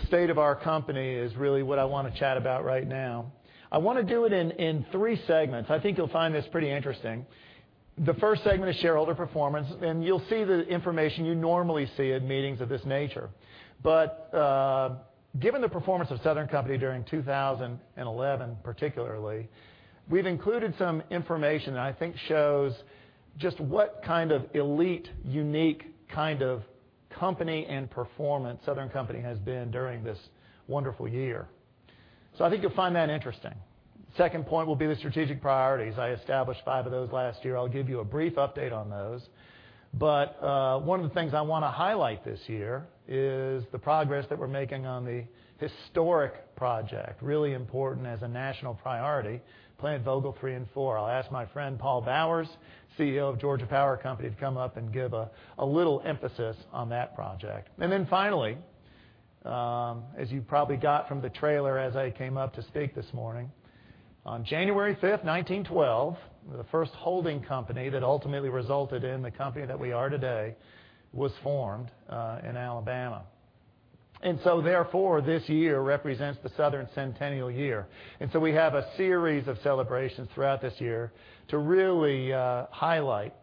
The state of our company is really what I want to chat about right now. I want to do it in three segments. I think you'll find this pretty interesting. The first segment is shareholder performance. You'll see the information you normally see at meetings of this nature. Given the performance of Southern Company during 2011, particularly, we've included some information that I think shows just what kind of elite, unique kind of company and performance Southern Company has been during this wonderful year. I think you'll find that interesting. Second point will be the strategic priorities. I established five of those last year. I'll give you a brief update on those. One of the things I want to highlight this year is the progress that we're making on the historic project, really important as a national priority, Plant Vogtle 3 and 4. I'll ask my friend, W. Paul Bowers, CEO of Georgia Power Company, to come up and give a little emphasis on that project. Finally, as you probably got from the trailer as I came up to speak this morning, on January 5th, 1912, the first holding company that ultimately resulted in the company that we are today was formed in Alabama. Therefore, this year represents the Southern centennial year. We have a series of celebrations throughout this year to really highlight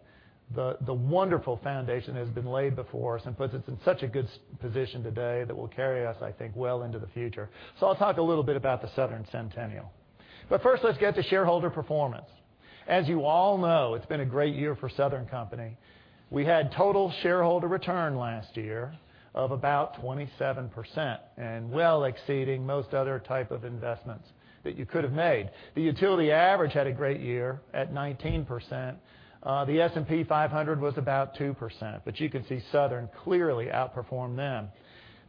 the wonderful foundation that has been laid before us and puts us in such a good position today that will carry us, I think, well into the future. I'll talk a little bit about the Southern centennial. First, let's get to shareholder performance. As you all know, it's been a great year for Southern Company. We had total shareholder return last year of about 27% well exceeding most other type of investments that you could have made. The utility average had a great year at 19%. The S&P 500 was about 2%, you can see Southern clearly outperformed them.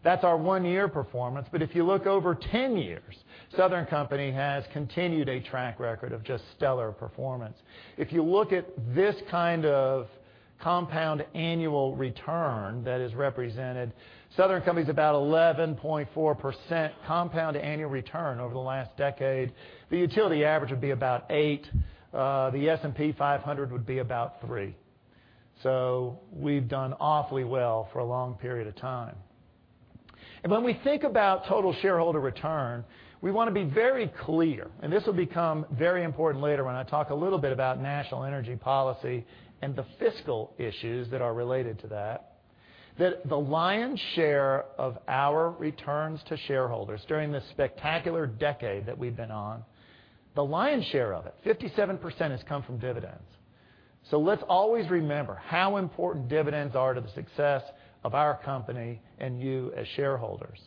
That's our one-year performance. If you look over 10 years, Southern Company has continued a track record of just stellar performance. If you look at this kind of compound annual return that is represented, Southern Company's about 11.4% compound annual return over the last decade. The utility average would be about 8%. The S&P 500 would be about 3%. We've done awfully well for a long period of time. When we think about total shareholder return, we want to be very clear, and this will become very important later when I talk a little bit about national energy policy and the fiscal issues that are related to that the lion's share of our returns to shareholders during this spectacular decade that we've been on, the lion's share of it, 57%, has come from dividends. Let's always remember how important dividends are to the success of our company and you as shareholders.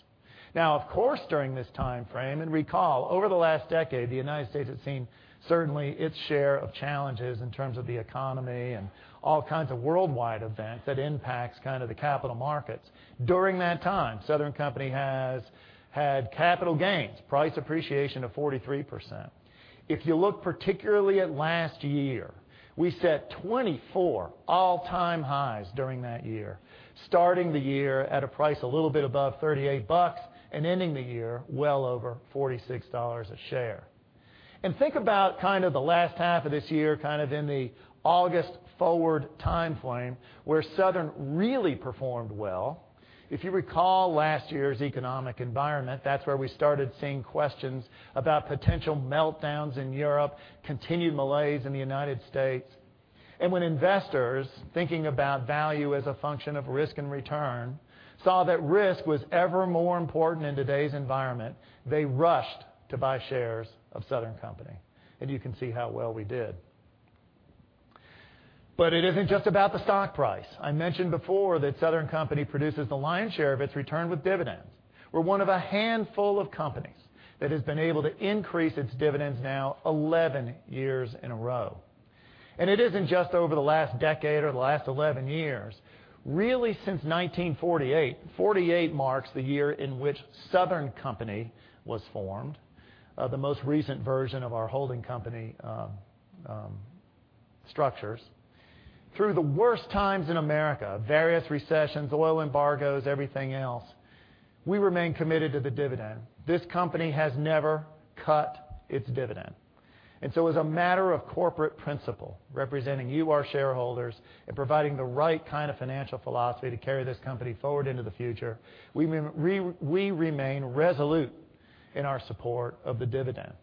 Now, of course, during this time frame, recall, over the last decade, the U.S. has seen certainly its share of challenges in terms of the economy and all kinds of worldwide events that impacts the capital markets. During that time, Southern Company has had capital gains, price appreciation of 43%. If you look particularly at last year, we set 24 all-time highs during that year, starting the year at a price a little bit above $38 and ending the year well over $46 a share. Think about the last half of this year, in the August forward time frame, where Southern really performed well. If you recall last year's economic environment, that's where we started seeing questions about potential meltdowns in Europe, continued malaise in the United States. When investors, thinking about value as a function of risk and return, saw that risk was ever more important in today's environment, they rushed to buy shares of Southern Company. You can see how well we did. It isn't just about the stock price. I mentioned before that Southern Company produces the lion's share of its return with dividends. We're one of a handful of companies that has been able to increase its dividends now 11 years in a row. It isn't just over the last decade or the last 11 years. Really, since 1948. 48 marks the year in which Southern Company was formed, the most recent version of our holding company structures. Through the worst times in America, various recessions, oil embargoes, everything else, we remain committed to the dividend. This company has never cut its dividend. As a matter of corporate principle, representing you, our shareholders, and providing the right kind of financial philosophy to carry this company forward into the future, we remain resolute in our support of the dividend.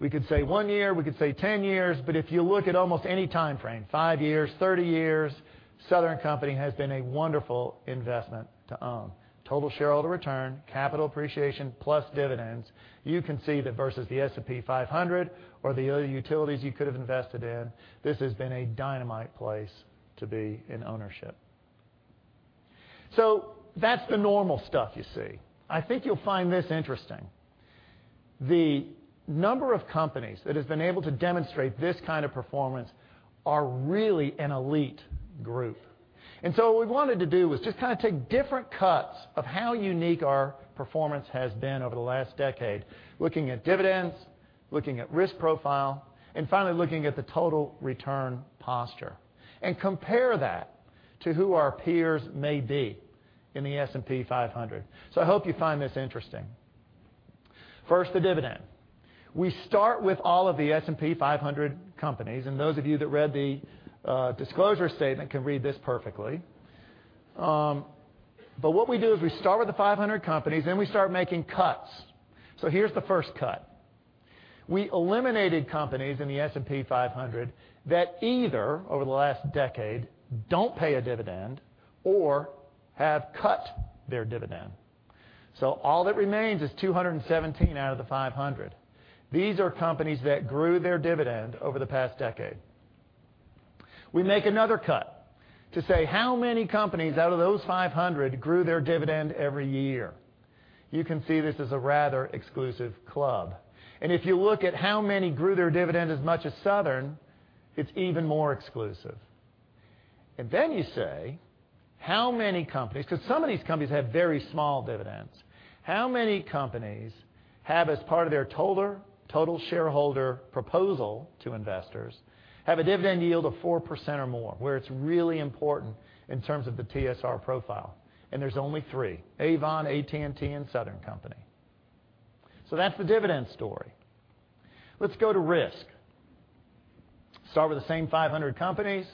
We could say one year, we could say 10 years, but if you look at almost any time frame, five years, 30 years, Southern Company has been a wonderful investment to own. Total shareholder return, capital appreciation, plus dividends, you can see that versus the S&P 500 or the other utilities you could have invested in, this has been a dynamite place to be in ownership. That's the normal stuff you see. I think you'll find this interesting. The number of companies that has been able to demonstrate this kind of performance are really an elite group. What we wanted to do was just take different cuts of how unique our performance has been over the last decade, looking at dividends, looking at risk profile, and finally looking at the total return posture, and compare that to who our peers may be in the S&P 500. I hope you find this interesting. First, the dividend. We start with all of the S&P 500 companies. Those of you that read the disclosure statement can read this perfectly. What we do is we start with the 500 companies. We start making cuts. Here's the first cut. We eliminated companies in the S&P 500 that either, over the last decade, don't pay a dividend or have cut their dividend. All that remains is 217 out of the 500. These are companies that grew their dividend over the past decade. We make another cut to say how many companies out of those 500 grew their dividend every year. You can see this is a rather exclusive club. If you look at how many grew their dividend as much as Southern, it's even more exclusive. Then you say, how many companies, because some of these companies have very small dividends, how many companies have, as part of their total shareholder proposal to investors, have a dividend yield of 4% or more, where it's really important in terms of the TSR profile? There's only three: Avon, AT&T, and Southern Company. That's the dividend story. Let's go to risk. Start with the same 500 companies.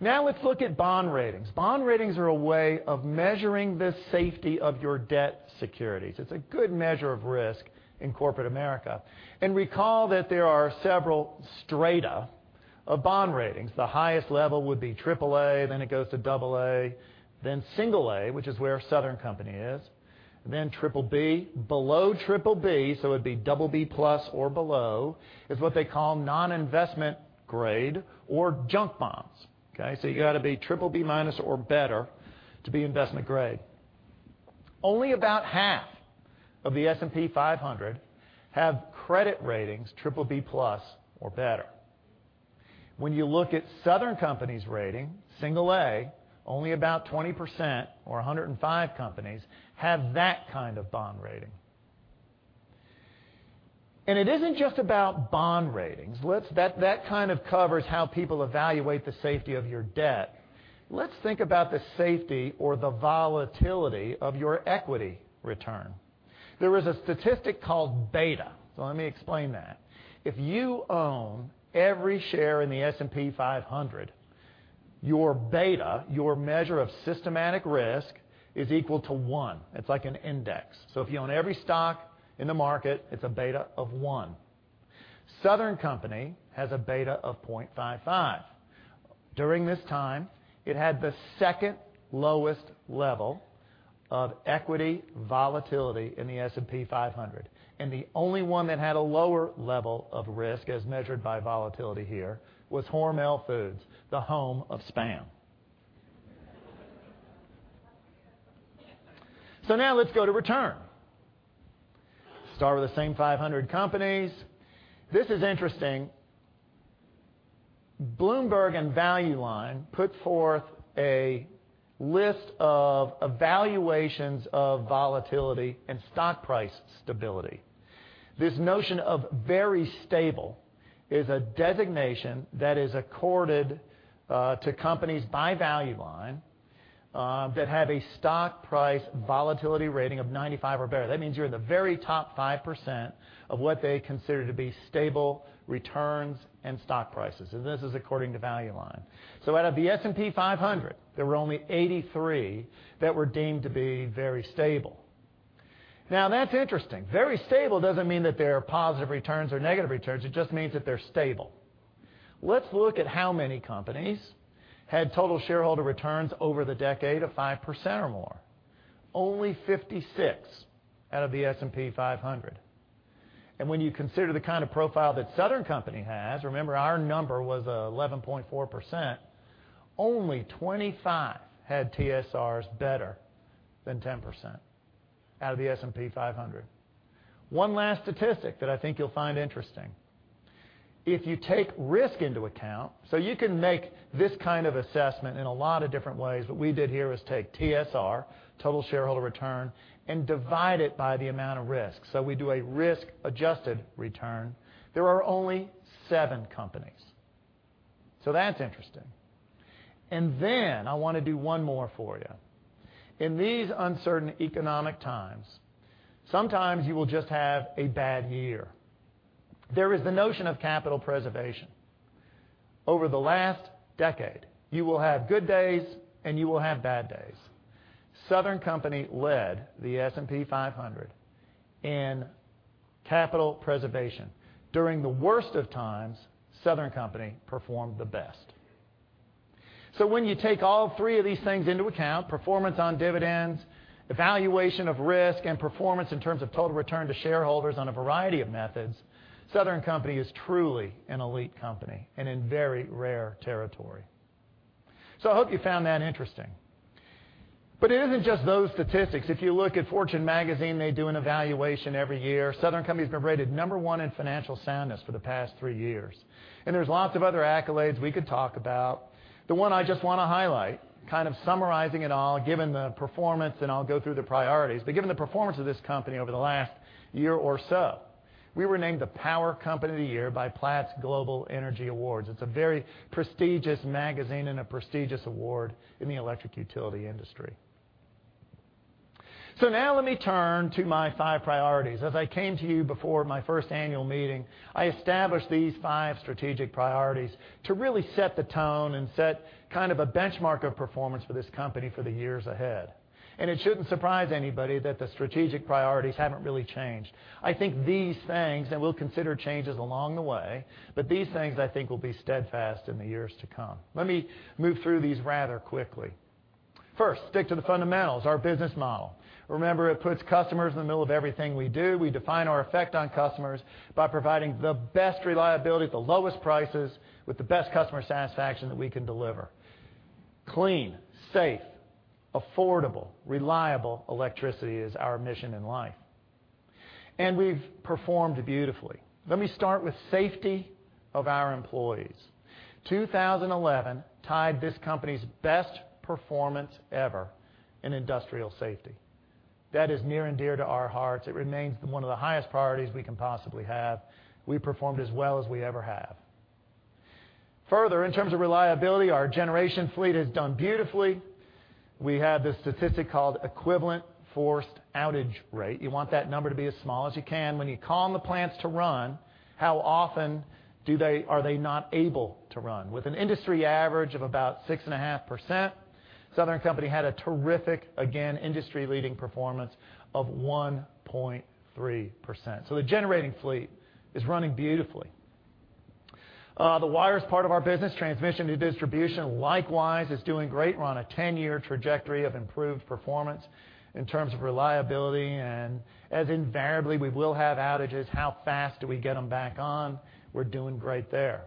Now let's look at bond ratings. Bond ratings are a way of measuring the safety of your debt securities. It's a good measure of risk in corporate America. Recall that there are several strata of bond ratings. The highest level would be triple A, then it goes to double A, then single A, which is where Southern Company is, then triple B. Below triple B, so it'd be double B plus or below, is what they call non-investment grade or junk bonds. Okay? You got to be triple B minus or better to be investment grade. Only about half of the S&P 500 have credit ratings triple B plus or better. When you look at Southern Company's rating, single A, only about 20%, or 105 companies, have that kind of bond rating. It isn't just about bond ratings. That kind of covers how people evaluate the safety of your debt. Let's think about the safety or the volatility of your equity return. There is a statistic called beta. Let me explain that. If you own every share in the S&P 500, your beta, your measure of systematic risk, is equal to one. It's like an index. If you own every stock in the market, it's a beta of one. Southern Company has a beta of 0.55. During this time, it had the second lowest level of equity volatility in the S&P 500, and the only one that had a lower level of risk, as measured by volatility here, was Hormel Foods, the home of Spam. Now let's go to return. Start with the same 500 companies. This is interesting. Bloomberg and Value Line put forth a list of evaluations of volatility and stock price stability. This notion of very stable is a designation that is accorded to companies by Value Line that have a stock price volatility rating of 95 or better. That means you're in the very top 5% of what they consider to be stable returns and stock prices, and this is according to Value Line. Out of the S&P 500, there were only 83 that were deemed to be very stable. That's interesting. Very stable doesn't mean that they are positive returns or negative returns. It just means that they're stable. Let's look at how many companies had total shareholder returns over the decade of 5% or more. Only 56 out of the S&P 500. When you consider the kind of profile that Southern Company has, remember our number was 11.4%, only 25 had TSRs better than 10% out of the S&P 500. One last statistic that I think you'll find interesting. If you take risk into account, you can make this kind of assessment in a lot of different ways. What we did here was take TSR, total shareholder return, and divide it by the amount of risk. We do a risk-adjusted return. There are only seven companies. That's interesting. Then I want to do one more for you. In these uncertain economic times, sometimes you will just have a bad year. There is the notion of capital preservation. Over the last decade, you will have good days, and you will have bad days. Southern Company led the S&P 500 in capital preservation. During the worst of times, Southern Company performed the best. When you take all three of these things into account, performance on dividends, evaluation of risk, and performance in terms of total return to shareholders on a variety of methods, Southern Company is truly an elite company and in very rare territory. I hope you found that interesting. It isn't just those statistics. If you look at Fortune magazine, they do an evaluation every year. Southern Company's been rated number one in financial soundness for the past three years. There's lots of other accolades we could talk about. The one I just want to highlight, kind of summarizing it all, given the performance, and I'll go through the priorities, but given the performance of this company over the last year or so. We were named the Power Company of the Year by Platts Global Energy Awards. It's a very prestigious magazine and a prestigious award in the electric utility industry. Now let me turn to my five priorities. As I came to you before my first annual meeting, I established these five strategic priorities to really set the tone and set kind of a benchmark of performance for this company for the years ahead. It shouldn't surprise anybody that the strategic priorities haven't really changed. I think these things, and we'll consider changes along the way, but these things I think will be steadfast in the years to come. Let me move through these rather quickly. First, stick to the fundamentals, our business model. Remember, it puts customers in the middle of everything we do. We define our effect on customers by providing the best reliability at the lowest prices with the best customer satisfaction that we can deliver. Clean, safe, affordable, reliable electricity is our mission in life. We've performed beautifully. Let me start with safety of our employees. 2011 tied this company's best performance ever in industrial safety. That is near and dear to our hearts. It remains one of the highest priorities we can possibly have. We performed as well as we ever have. Further, in terms of reliability, our generation fleet has done beautifully. We have this statistic called equivalent forced outage rate. You want that number to be as small as you can. When you call on the plants to run, how often are they not able to run? With an industry average of about 6.5%, Southern Company had a terrific, again, industry-leading performance of 1.3%. The generating fleet is running beautifully. The wires part of our business, transmission to distribution, likewise, is doing great. We're on a 10-year trajectory of improved performance in terms of reliability, and as invariably we will have outages, how fast do we get them back on? We're doing great there.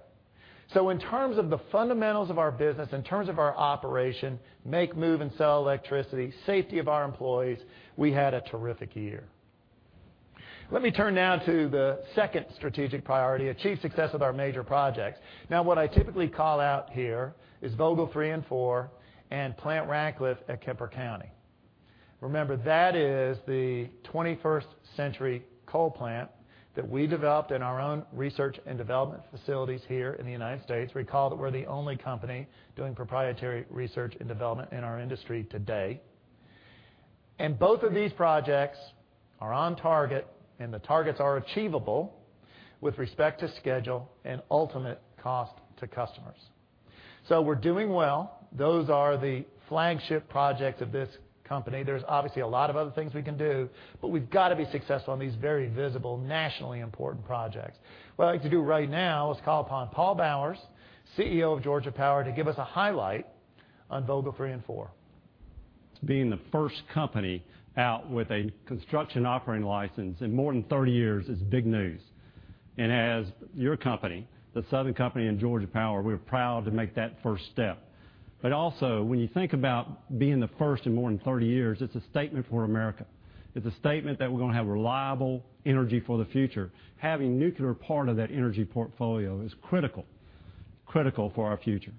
In terms of the fundamentals of our business, in terms of our operation, make, move, and sell electricity, safety of our employees, we had a terrific year. Let me turn now to the second strategic priority, achieve success with our major projects. What I typically call out here is Vogtle 3 and 4 and Plant Ratcliffe at Kemper County. Remember, that is the 21st century coal plant that we developed in our own research and development facilities here in the U.S. Recall that we're the only company doing proprietary research and development in our industry today. Both of these projects are on target, and the targets are achievable with respect to schedule and ultimate cost to customers. We're doing well. Those are the flagship projects of this company. There's obviously a lot of other things we can do, but we've got to be successful on these very visible, nationally important projects. What I'd like to do right now is call upon Paul Bowers, CEO of Georgia Power, to give us a highlight on Vogtle 3 and 4. Being the first company out with a construction operating license in more than 30 years is big news. As your company, The Southern Company, and Georgia Power, we're proud to make that first step. Also, when you think about being the first in more than 30 years, it's a statement for America. It's a statement that we're going to have reliable energy for the future. Having nuclear part of that energy portfolio is critical. Critical for our future.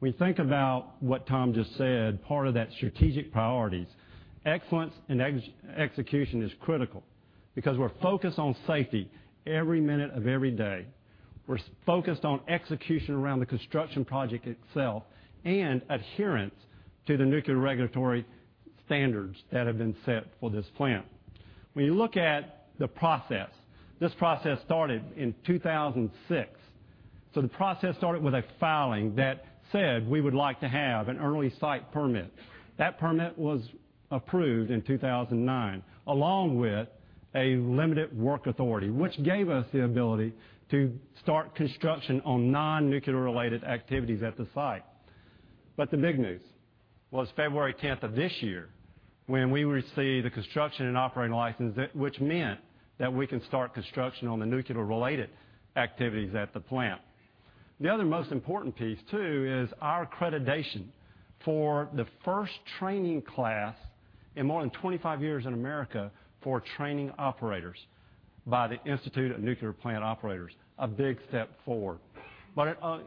We think about what Tom just said, part of that strategic priorities. Excellence and execution is critical because we're focused on safety every minute of every day. We're focused on execution around the construction project itself and adherence to the nuclear regulatory standards that have been set for this plant. When you look at the process, this process started in 2006. The process started with a filing that said we would like to have an early site permit. That permit was approved in 2009, along with a limited work authority, which gave us the ability to start construction on non-nuclear related activities at the site. The big news was February 10th of this year when we received the construction and operating license, which meant that we can start construction on the nuclear-related activities at the plant. The other most important piece, too, is our accreditation for the first training class in more than 25 years in America for training operators by the Institute of Nuclear Power Operations, a big step forward.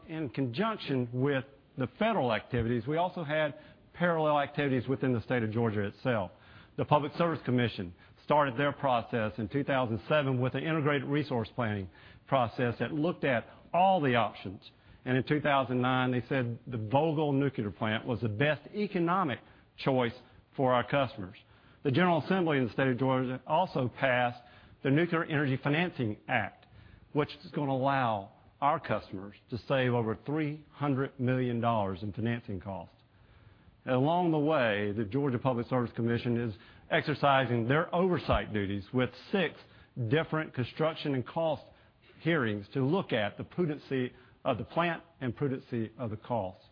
In conjunction with the federal activities, we also had parallel activities within the state of Georgia itself. The Public Service Commission started their process in 2007 with an integrated resource planning process that looked at all the options. In 2009, they said the Vogtle Nuclear Plant was the best economic choice for our customers. The General Assembly in the state of Georgia also passed the Nuclear Energy Financing Act, which is going to allow our customers to save over $300 million in financing costs. Along the way, the Georgia Public Service Commission is exercising their oversight duties with 6 different construction and cost hearings to look at the prudency of the plant and prudency of the costs.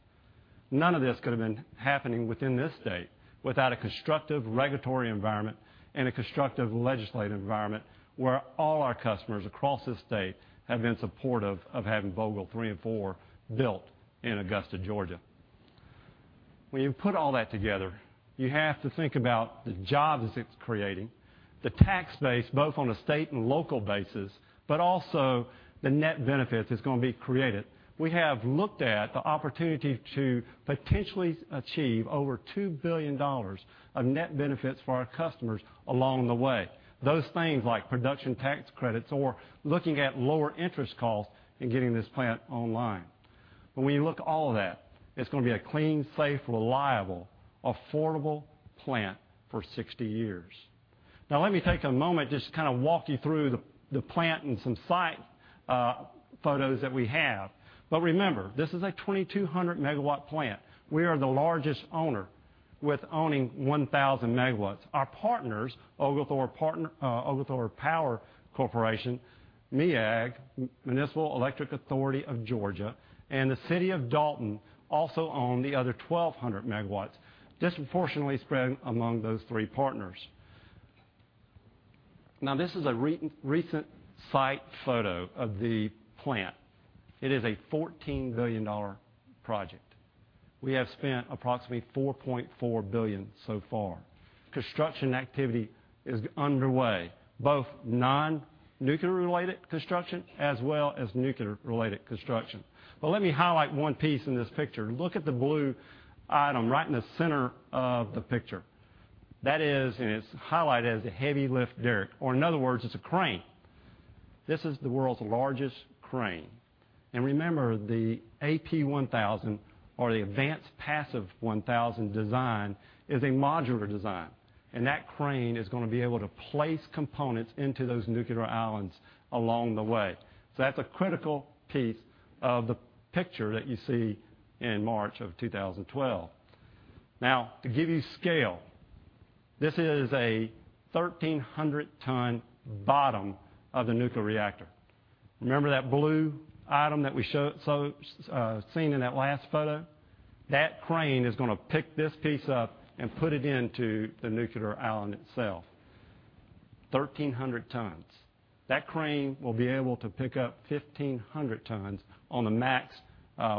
None of this could have been happening within this state without a constructive regulatory environment and a constructive legislative environment where all our customers across this state have been supportive of having Vogtle 3 and 4 built in Augusta, Georgia. When you put all that together, you have to think about the jobs it's creating, the tax base, both on a state and local basis, also the net benefits that's going to be created. We have looked at the opportunity to potentially achieve over $2 billion of net benefits for our customers along the way. Those things like production tax credits or looking at lower interest costs in getting this plant online. When you look at all of that, it's going to be a clean, safe, reliable, affordable plant for 60 years. Let me take a moment just to walk you through the plant and some site photos that we have. Remember, this is a 2,200-megawatt plant. We are the largest owner, with owning 1,000 megawatts. Our partners, Oglethorpe Power Corporation, MEAG, Municipal Electric Authority of Georgia, and the City of Dalton also own the other 1,200 megawatts, disproportionately spread among those three partners. This is a recent site photo of the plant. It is a $14 billion project. We have spent approximately $4.4 billion so far. Construction activity is underway, both non-nuclear related construction as well as nuclear related construction. Let me highlight one piece in this picture. Look at the blue item right in the center of the picture. That is, and it's highlighted, as a heavy lift derrick, or in other words, it's a crane. This is the world's largest crane. Remember, the AP1000 or the Advanced Passive 1000 design is a modular design, and that crane is going to be able to place components into those nuclear islands along the way. That's a critical piece of the picture that you see in March of 2012. To give you scale, this is a 1,300-ton bottom of the nuclear reactor. Remember that blue item that we seen in that last photo? That crane is going to pick this piece up and put it into the nuclear island itself. 1,300 tons. That crane will be able to pick up 1,500 tons on the max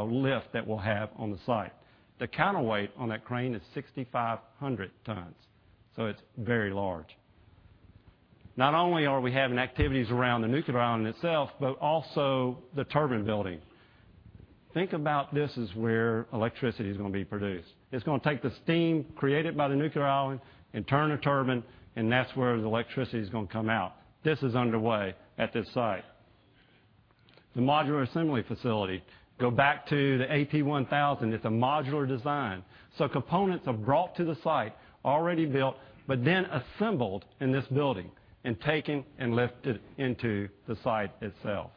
lift that we'll have on the site. The counterweight on that crane is 6,500 tons, so it's very large. Not only are we having activities around the nuclear island itself, also the turbine building. Think about this as where electricity is going to be produced. It's going to take the steam created by the nuclear island and turn a turbine, and that's where the electricity is going to come out. This is underway at this site. The modular assembly facility. Go back to the AP1000. It's a modular design, so components are brought to the site, already built, then assembled in this building and taken and lifted into the site itself.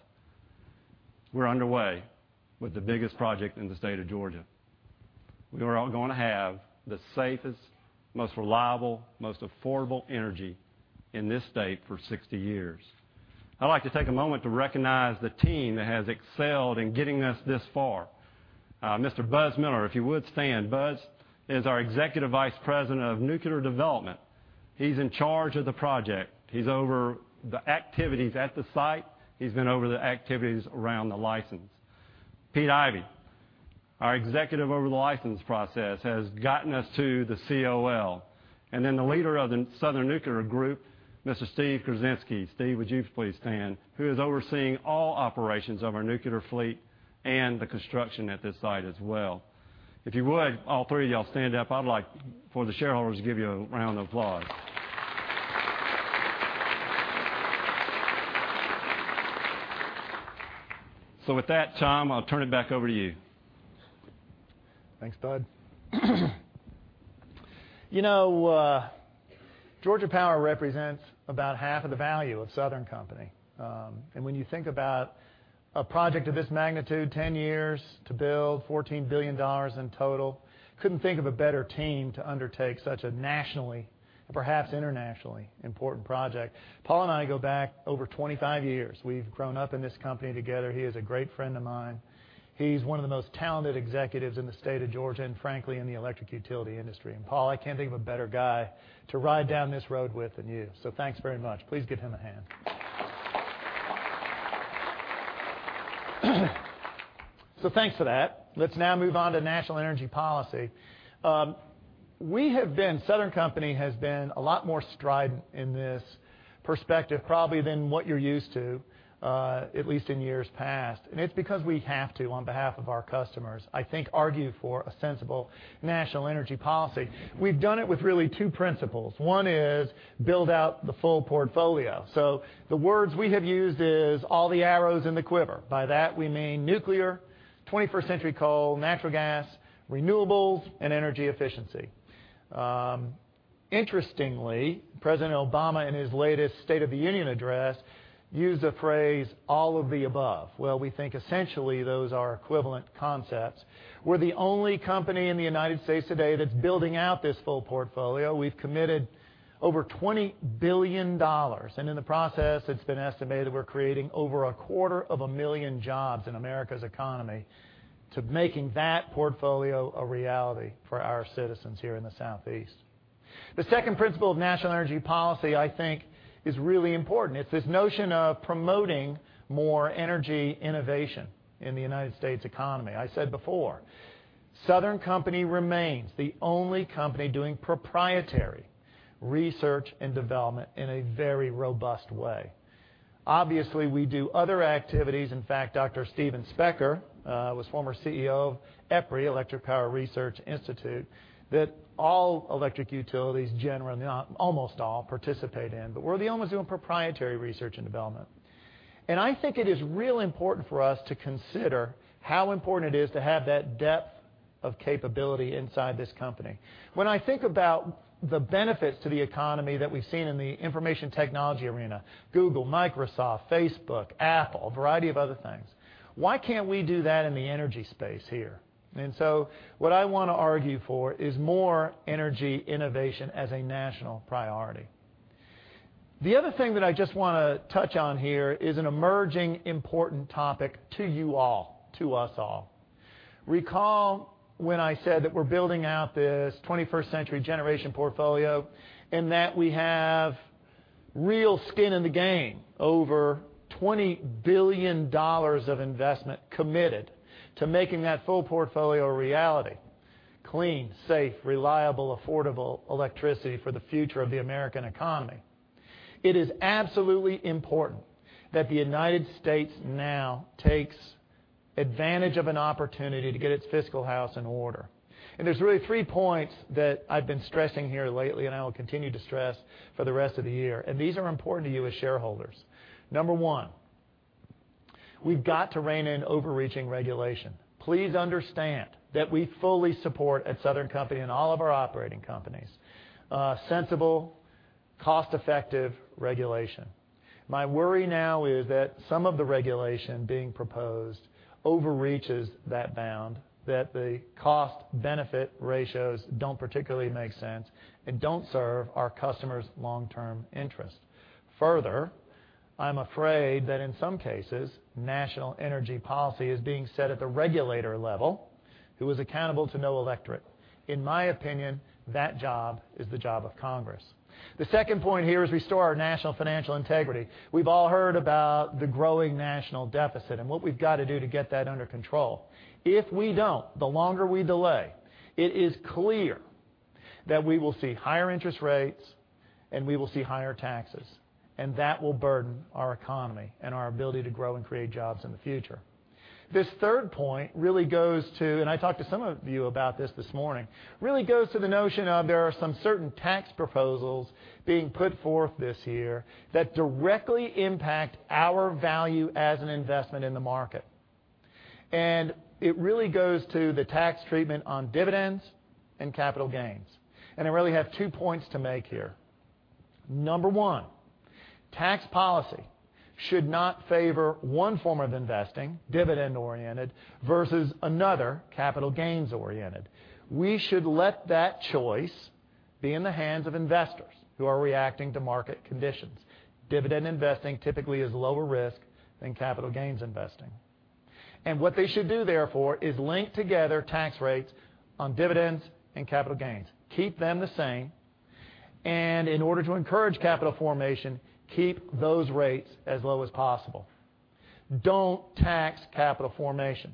We're underway with the biggest project in the state of Georgia. We are going to have the safest, most reliable, most affordable energy in this state for 60 years. I'd like to take a moment to recognize the team that has excelled in getting us this far. Mr. Buzz Miller, if you would stand. Buzz is our Executive Vice President of Nuclear Development. He's in charge of the project. He's over the activities at the site. He's been over the activities around the license. Pete Ivy, our executive over the license process, has gotten us to the COL. The leader of the Southern Nuclear Group, Mr. Steve Kuczynski, Steve, would you please stand, who is overseeing all operations of our nuclear fleet and the construction at this site as well. If you would, all three of y'all stand up. I would like for the shareholders to give you a round of applause. With that, Tom, I'll turn it back over to you. Thanks, Paul. Georgia Power represents about half of the value of Southern Company. When you think about a project of this magnitude, 10 years to build, $14 billion in total, couldn't think of a better team to undertake such a nationally, perhaps internationally, important project. Paul and I go back over 25 years. We've grown up in this company together. He is a great friend of mine. He's one of the most talented executives in the state of Georgia, and frankly, in the electric utility industry. Paul, I can't think of a better guy to ride down this road with than you. Thanks very much. Please give him a hand. Thanks for that. Let's now move on to national energy policy. Southern Company has been a lot more strident in this perspective, probably than what you're used to, at least in years past. It's because we have to, on behalf of our customers, I think, argue for a sensible national energy policy. We've done it with really two principles. One is build out the full portfolio. The words we have used is all the arrows in the quiver. By that, we mean nuclear, 21st century coal, natural gas, renewables, and energy efficiency. Interestingly, President Obama, in his latest State of the Union address, used the phrase all of the above. We think essentially those are equivalent concepts. We're the only company in the U.S. today that's building out this full portfolio. We've committed over $20 billion, and in the process, it's been estimated we're creating over a quarter of a million jobs in America's economy to making that portfolio a reality for our citizens here in the Southeast. The second principle of national energy policy, I think, is really important. It's this notion of promoting more energy innovation in the U.S. economy. I said before, Southern Company remains the only company doing proprietary research and development in a very robust way. Obviously, we do other activities. In fact, Dr. Steven Specker, was former CEO of EPRI, Electric Power Research Institute, that all electric utilities, almost all, participate in. We're the only ones doing proprietary research and development. I think it is really important for us to consider how important it is to have that depth of capability inside this company. When I think about the benefits to the economy that we've seen in the information technology arena, Google, Microsoft, Facebook, Apple, a variety of other things, why can't we do that in the energy space here? What I want to argue for is more energy innovation as a national priority. The other thing that I just want to touch on here is an emerging important topic to you all, to us all. Recall when I said that we're building out this 21st century generation portfolio and that we have real skin in the game. Over $20 billion of investment committed to making that full portfolio a reality. Clean, safe, reliable, affordable electricity for the future of the American economy. It is absolutely important that the United States now takes advantage of an opportunity to get its fiscal house in order. There's really three points that I've been stressing here lately, and I will continue to stress for the rest of the year, and these are important to you as shareholders. Number one, we've got to rein in overreaching regulation. Please understand that we fully support at Southern Company and all of our operating companies, sensible, cost-effective regulation. My worry now is that some of the regulation being proposed overreaches that bound, that the cost-benefit ratios don't particularly make sense and don't serve our customers' long-term interests. I'm afraid that in some cases, national energy policy is being set at the regulator level, who is accountable to no electorate. In my opinion, that job is the job of Congress. The second point here is restore our national financial integrity. We've all heard about the growing national deficit and what we've got to do to get that under control. If we don't, the longer we delay, it is clear that we will see higher interest rates and we will see higher taxes, and that will burden our economy and our ability to grow and create jobs in the future. This third point, and I talked to some of you about this this morning, really goes to the notion of there are some certain tax proposals being put forth this year that directly impact our value as an investment in the market. It really goes to the tax treatment on dividends and capital gains. I really have two points to make here. Number one, tax policy should not favor one form of investing, dividend-oriented, versus another, capital gains-oriented. We should let that choice be in the hands of investors who are reacting to market conditions. Dividend investing typically is lower risk than capital gains investing. What they should do therefore is link together tax rates on dividends and capital gains. Keep them the same, and in order to encourage capital formation, keep those rates as low as possible. Don't tax capital formation.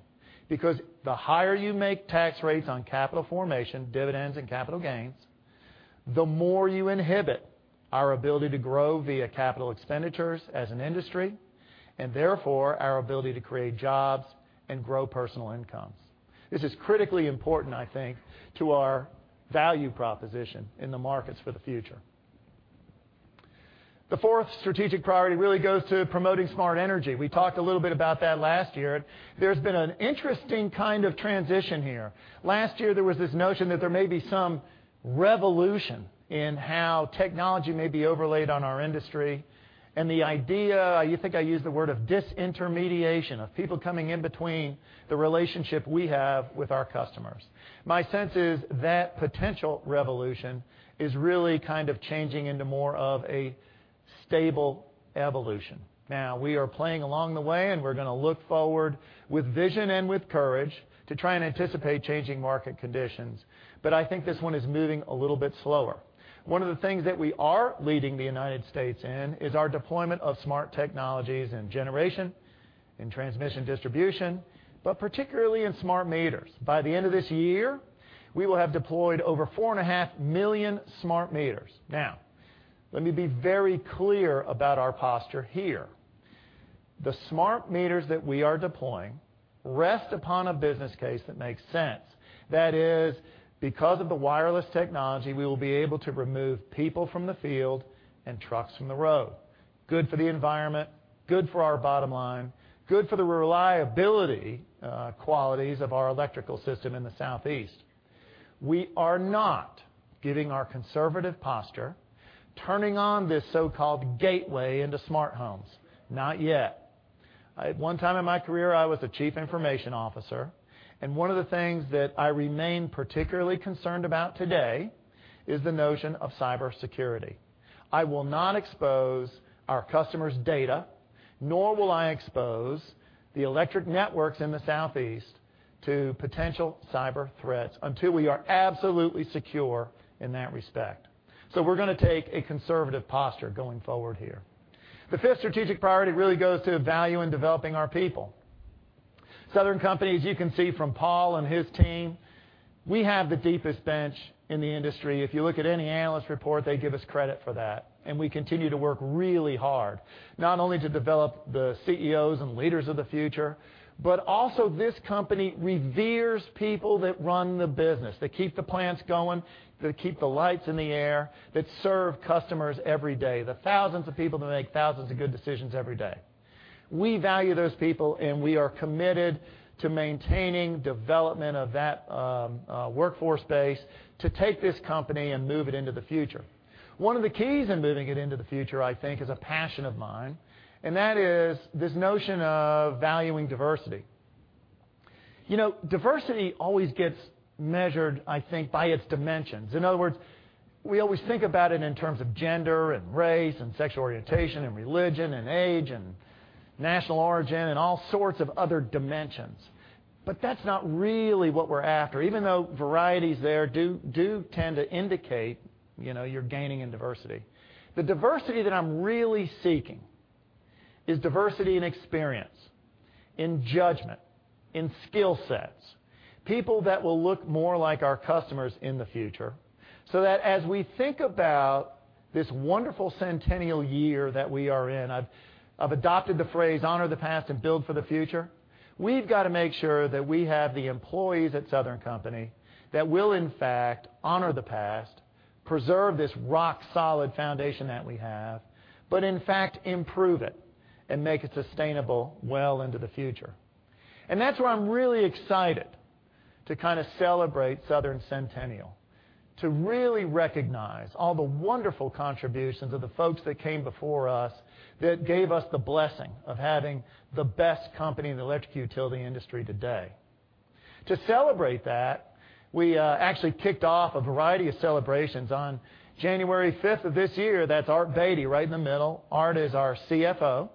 The higher you make tax rates on capital formation, dividends and capital gains, the more you inhibit our ability to grow via capital expenditures as an industry, and therefore our ability to create jobs and grow personal incomes. This is critically important, I think, to our value proposition in the markets for the future. The fourth strategic priority really goes to promoting smart energy. We talked a little bit about that last year. There's been an interesting kind of transition here. Last year, there was this notion that there may be some revolution in how technology may be overlaid on our industry, and the idea, I think I used the word of disintermediation, of people coming in between the relationship we have with our customers. My sense is that potential revolution is really kind of changing into more of a stable evolution. We are playing along the way and we're going to look forward with vision and with courage to try and anticipate changing market conditions. I think this one is moving a little bit slower. One of the things that we are leading the U.S. in is our deployment of smart technologies in generation, in transmission distribution, but particularly in smart meters. By the end of this year, we will have deployed over 4.5 million smart meters. Let me be very clear about our posture here. The smart meters that we are deploying rest upon a business case that makes sense. That is because of the wireless technology, we will be able to remove people from the field and trucks from the road. Good for the environment, good for our bottom line, good for the reliability qualities of our electrical system in the Southeast. We are not giving our conservative posture, turning on this so-called gateway into smart homes. Not yet. At one time in my career, I was a chief information officer, and one of the things that I remain particularly concerned about today is the notion of cybersecurity. I will not expose our customers' data, nor will I expose the electric networks in the Southeast to potential cyber threats until we are absolutely secure in that respect. We're going to take a conservative posture going forward here. The fifth strategic priority really goes to value in developing our people. Southern Company, as you can see from Paul and his team. We have the deepest bench in the industry. If you look at any analyst report, they give us credit for that. We continue to work really hard, not only to develop the CEOs and leaders of the future, but also this company reveres people that run the business, that keep the plants going, that keep the lights in the air, that serve customers every day, the thousands of people that make thousands of good decisions every day. We value those people. We are committed to maintaining development of that workforce base to take this company and move it into the future. One of the keys in moving it into the future, I think, is a passion of mine, that is this notion of valuing diversity. Diversity always gets measured, I think, by its dimensions. In other words, we always think about it in terms of gender and race and sexual orientation and religion and age and national origin and all sorts of other dimensions. That's not really what we're after, even though varieties there do tend to indicate you're gaining in diversity. The diversity that I'm really seeking is diversity in experience, in judgment, in skill sets, people that will look more like our customers in the future, so that as we think about this wonderful centennial year that we are in. I've adopted the phrase, "Honor the past and build for the future." We've got to make sure that we have the employees at Southern Company that will, in fact, honor the past, preserve this rock-solid foundation that we have, but in fact, improve it and make it sustainable well into the future. That's why I'm really excited to celebrate Southern's centennial, to really recognize all the wonderful contributions of the folks that came before us that gave us the blessing of having the best company in the electric utility industry today. To celebrate that, we actually kicked off a variety of celebrations on January fifth of this year. That's Art Beattie right in the middle. Art is our CFO.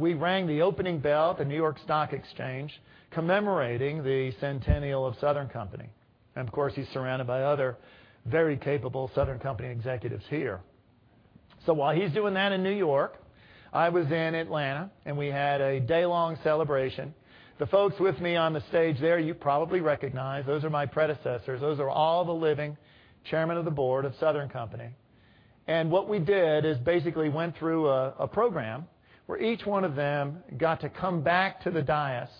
We rang the opening bell at the New York Stock Exchange commemorating the centennial of Southern Company. Of course, he's surrounded by other very capable Southern Company executives here. While he's doing that in New York, I was in Atlanta, and we had a day-long celebration. The folks with me on the stage there, you probably recognize. Those are my predecessors. Those are all the living chairman of the board of Southern Company. What we did is basically went through a program where each one of them got to come back to the dais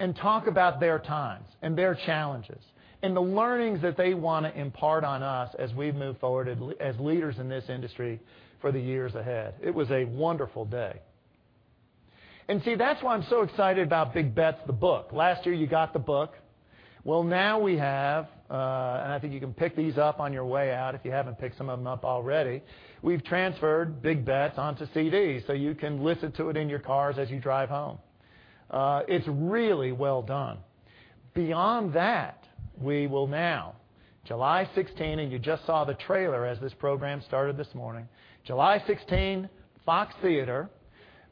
and talk about their times and their challenges and the learnings that they want to impart on us as we move forward as leaders in this industry for the years ahead. It was a wonderful day. See, that's why I'm so excited about "Big Bets" the book. Last year, you got the book. Now we have, and I think you can pick these up on your way out if you haven't picked some of them up already. We've transferred "Big Bets" onto CD, so you can listen to it in your cars as you drive home. It's really well done. Beyond that, we will now, July 16, and you just saw the trailer as this program started this morning. July 16, Fox Theater,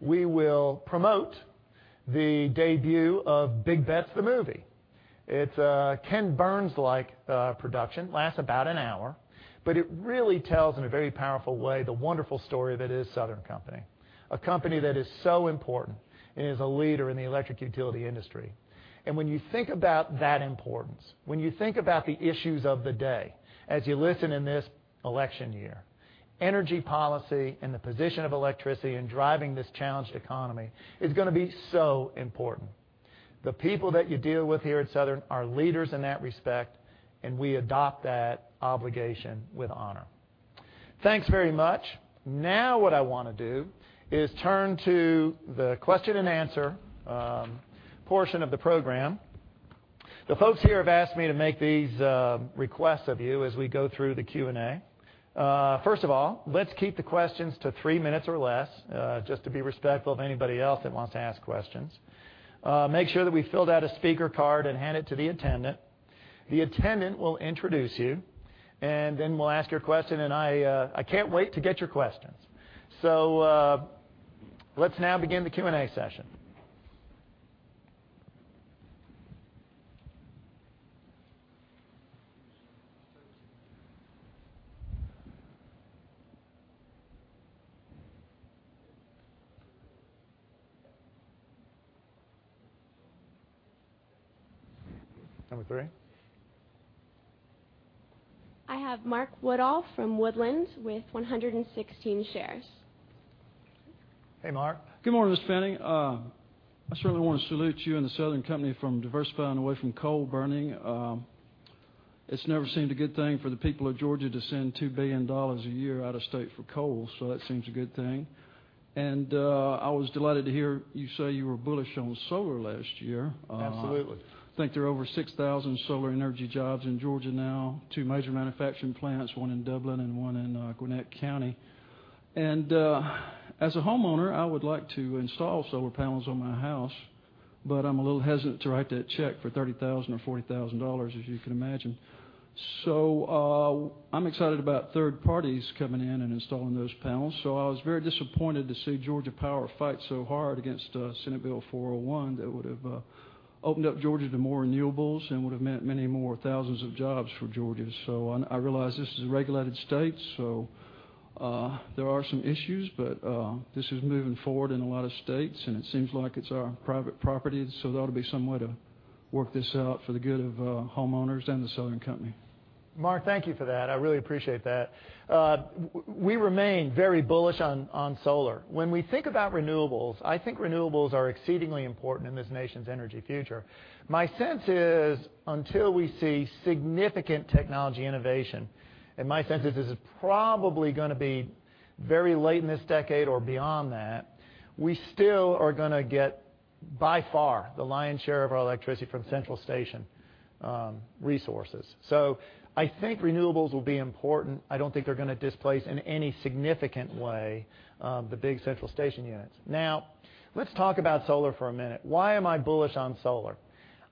we will promote the debut of "Big Bets" the movie. It's a Ken Burns-like production, lasts about an hour. It really tells, in a very powerful way, the wonderful story that is Southern Company, a company that is so important and is a leader in the electric utility industry. When you think about that importance, when you think about the issues of the day, as you listen in this election year, energy policy and the position of electricity in driving this challenged economy is going to be so important. The people that you deal with here at Southern are leaders in that respect, and we adopt that obligation with honor. Thanks very much. Now what I want to do is turn to the question and answer portion of the program. The folks here have asked me to make these requests of you as we go through the Q&A. First of all, let's keep the questions to three minutes or less, just to be respectful of anybody else that wants to ask questions. Make sure that we filled out a speaker card and hand it to the attendant. The attendant will introduce you, then we'll ask your question, and I can't wait to get your questions. Let's now begin the Q&A session. Number three. I have Mark Woodall from Woodlands with 116 shares. Hey, Mark. Good morning, Mr. Fanning. I certainly want to salute you and The Southern Company from diversifying away from coal burning. It's never seemed a good thing for the people of Georgia to send $2 billion a year out of state for coal. That seems a good thing. I was delighted to hear you say you were bullish on solar last year. Absolutely. I think there are over 6,000 solar energy jobs in Georgia now, two major manufacturing plants, one in Dublin and one in Gwinnett County. As a homeowner, I would like to install solar panels on my house, but I'm a little hesitant to write that check for $30,000 or $40,000, as you can imagine. I'm excited about third parties coming in and installing those panels, so I was very disappointed to see Georgia Power fight so hard against Senate Bill 401 that would have opened up Georgia to more renewables and would have meant many more thousands of jobs for Georgia. I realize this is a regulated state. There are some issues. This is moving forward in a lot of states. It seems like it's our private property. There ought to be some way to work this out for the good of homeowners and The Southern Company. Mark, thank you for that. I really appreciate that. We remain very bullish on solar. When we think about renewables, I think renewables are exceedingly important in this nation's energy future. My sense is, until we see significant technology innovation, and my sense is this is probably going to be very late in this decade or beyond that, we still are going to get, by far, the lion's share of our electricity from central station resources. I think renewables will be important. I don't think they're going to displace, in any significant way, the big central station units. Let's talk about solar for a minute. Why am I bullish on solar?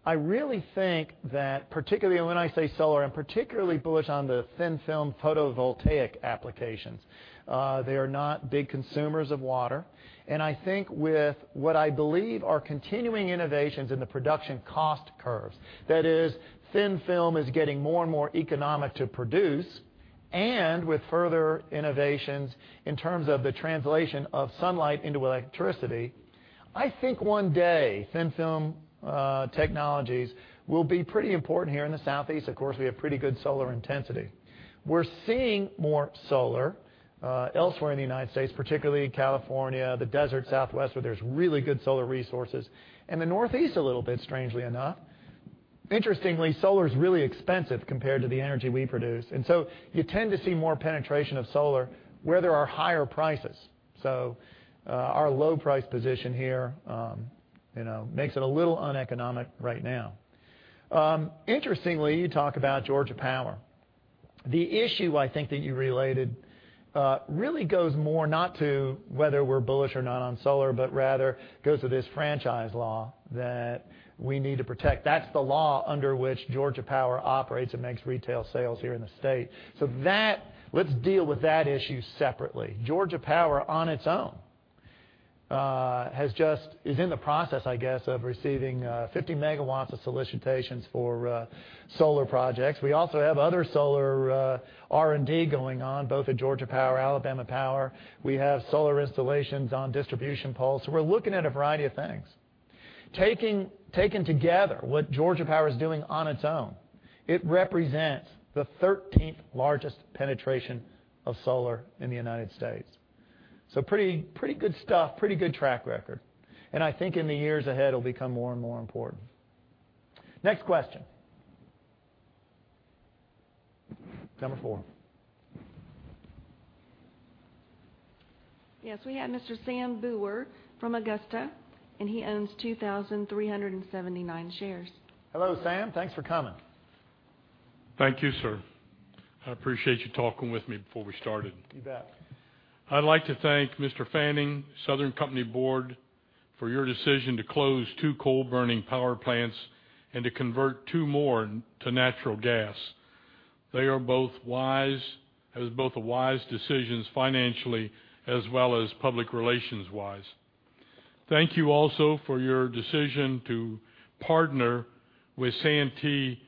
I really think that, particularly when I say solar, I'm particularly bullish on the thin-film photovoltaic applications. They are not big consumers of water. I think with what I believe are continuing innovations in the production cost curves, that is, thin film is getting more and more economic to produce, and with further innovations in terms of the translation of sunlight into electricity, I think one day thin-film technologies will be pretty important here in the Southeast. Of course, we have pretty good solar intensity. We're seeing more solar elsewhere in the U.S., particularly in California, the desert Southwest, where there's really good solar resources, and the Northeast a little bit, strangely enough. Interestingly, solar is really expensive compared to the energy we produce. You tend to see more penetration of solar where there are higher prices. Our low price position here makes it a little uneconomic right now. Interestingly, you talk about Georgia Power. The issue I think that you related really goes more not to whether we're bullish or not on solar, but rather goes to this franchise law that we need to protect. That's the law under which Georgia Power operates and makes retail sales here in the state. Let's deal with that issue separately. Georgia Power, on its own, is in the process, I guess, of receiving 50 MW of solicitations for solar projects. We also have other solar R&D going on, both at Georgia Power, Alabama Power. We have solar installations on distribution poles. We're looking at a variety of things. Taken together, what Georgia Power is doing on its own, it represents the 13th largest penetration of solar in the U.S. Pretty good stuff, pretty good track record. I think in the years ahead, it'll become more and more important. Next question. Number four. Yes, we have Mr. Sam Booher from Augusta, and he owns 2,379 shares. Hello, Sam. Thanks for coming. Thank you, sir. I appreciate you talking with me before we started. You bet. I'd like to thank Mr. Fanning, The Southern Company Board for your decision to close 2 coal-burning power plants and to convert 2 more to natural gas. They are both wise decisions financially as well as public relations-wise. Thank you also for your decision to partner with Santee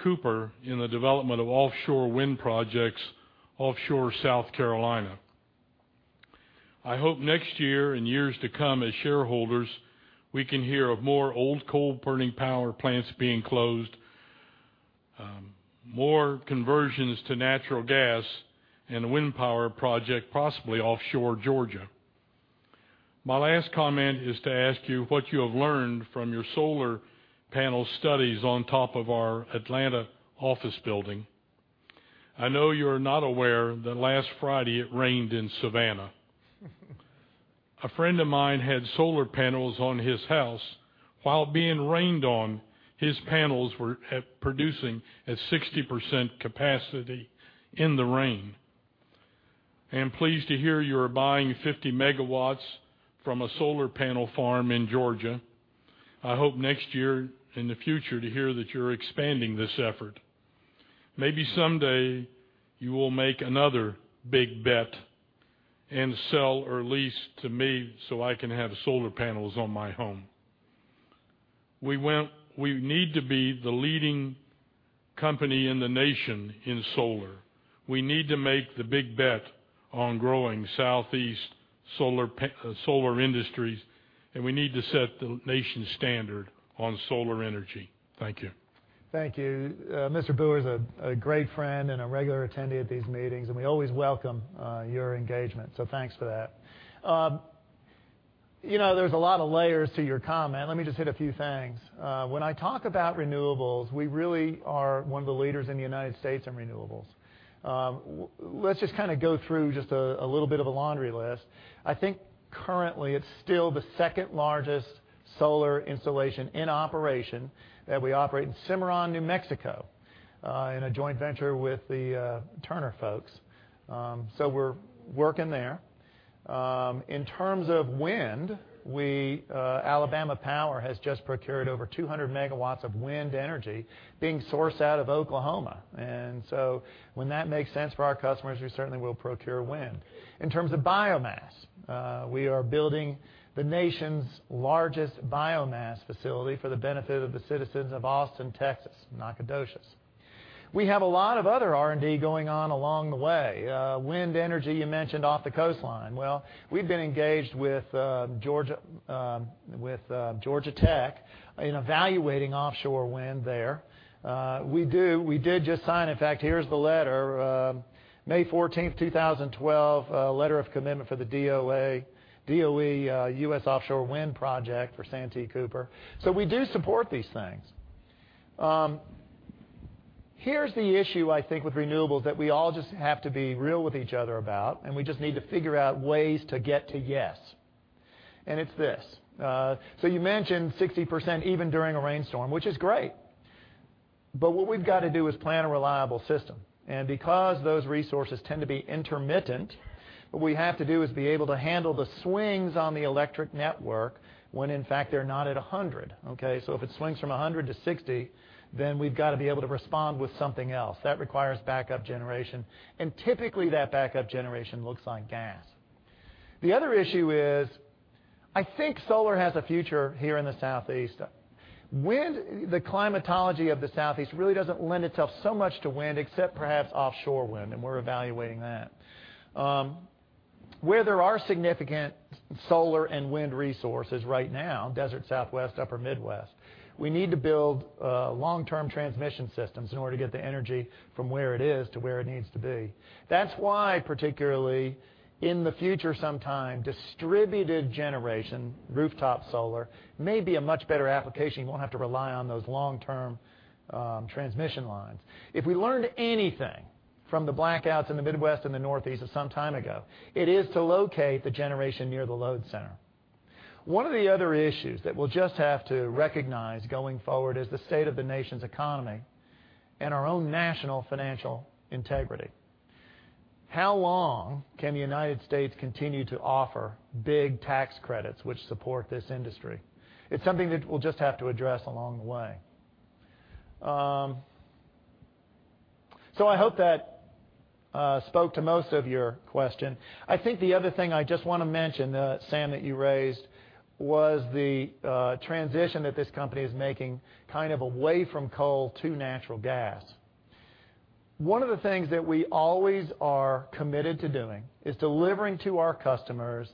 Cooper in the development of offshore wind projects offshore South Carolina. I hope next year, in years to come, as shareholders, we can hear of more old coal-burning power plants being closed, more conversions to natural gas, and a wind power project, possibly offshore Georgia. My last comment is to ask you what you have learned from your solar panel studies on top of our Atlanta office building. I know you're not aware that last Friday it rained in Savannah. A friend of mine had solar panels on his house. While being rained on, his panels were producing at 60% capacity in the rain. I am pleased to hear you are buying 50 megawatts from a solar panel farm in Georgia. I hope next year, in the future, to hear that you're expanding this effort. Maybe someday you will make another big bet and sell or lease to me so I can have solar panels on my home. We need to be the leading company in the nation in solar. We need to make the big bet on growing Southeast solar industries, and we need to set the nation's standard on solar energy. Thank you. Thank you. Mr. Booher is a great friend and a regular attendee at these meetings, and we always welcome your engagement, so thanks for that. There's a lot of layers to your comment. Let me just hit a few things. When I talk about renewables, we really are one of the leaders in the U.S. in renewables. Let's just go through just a little bit of a laundry list. I think currently it's still the second largest solar installation in operation that we operate in Cimarron, New Mexico, in a joint venture with the Turner folks. In terms of wind, Alabama Power has just procured over 200 megawatts of wind energy being sourced out of Oklahoma. When that makes sense for our customers, we certainly will procure wind. In terms of biomass, we are building the nation's largest biomass facility for the benefit of the citizens of Austin, Texas, in Nacogdoches. We have a lot of other R&D going on along the way. Wind energy, you mentioned off the coastline. We've been engaged with Georgia Tech in evaluating offshore wind there. We did just sign, in fact, here's the letter, May 14th, 2012, letter of commitment for the DOE U.S. Offshore Wind Project for Santee Cooper. We do support these things. Here's the issue, I think, with renewables that we all just have to be real with each other about, and we just need to figure out ways to get to yes. It's this. You mentioned 60% even during a rainstorm, which is great. What we've got to do is plan a reliable system. Because those resources tend to be intermittent, what we have to do is be able to handle the swings on the electric network when in fact they're not at 100. Okay. If it swings from 100 to 60, we've got to be able to respond with something else. That requires backup generation, and typically that backup generation looks like gas. The other issue is, I think solar has a future here in the Southeast. Wind, the climatology of the Southeast really doesn't lend itself so much to wind except perhaps offshore wind, and we're evaluating that. Where there are significant solar and wind resources right now, desert Southwest, upper Midwest, we need to build long-term transmission systems in order to get the energy from where it is to where it needs to be. That's why, particularly in the future sometime, distributed generation, rooftop solar, may be a much better application. You won't have to rely on those long-term transmission lines. If we learned anything from the blackouts in the Midwest and the Northeast of some time ago, it is to locate the generation near the load center. One of the other issues that we'll just have to recognize going forward is the state of the nation's economy and our own national financial integrity. How long can the United States continue to offer big tax credits which support this industry? It's something that we'll just have to address along the way. I hope that spoke to most of your question. I think the other thing I just want to mention, Sam, that you raised was the transition that this company is making away from coal to natural gas. One of the things that we always are committed to doing is delivering to our customers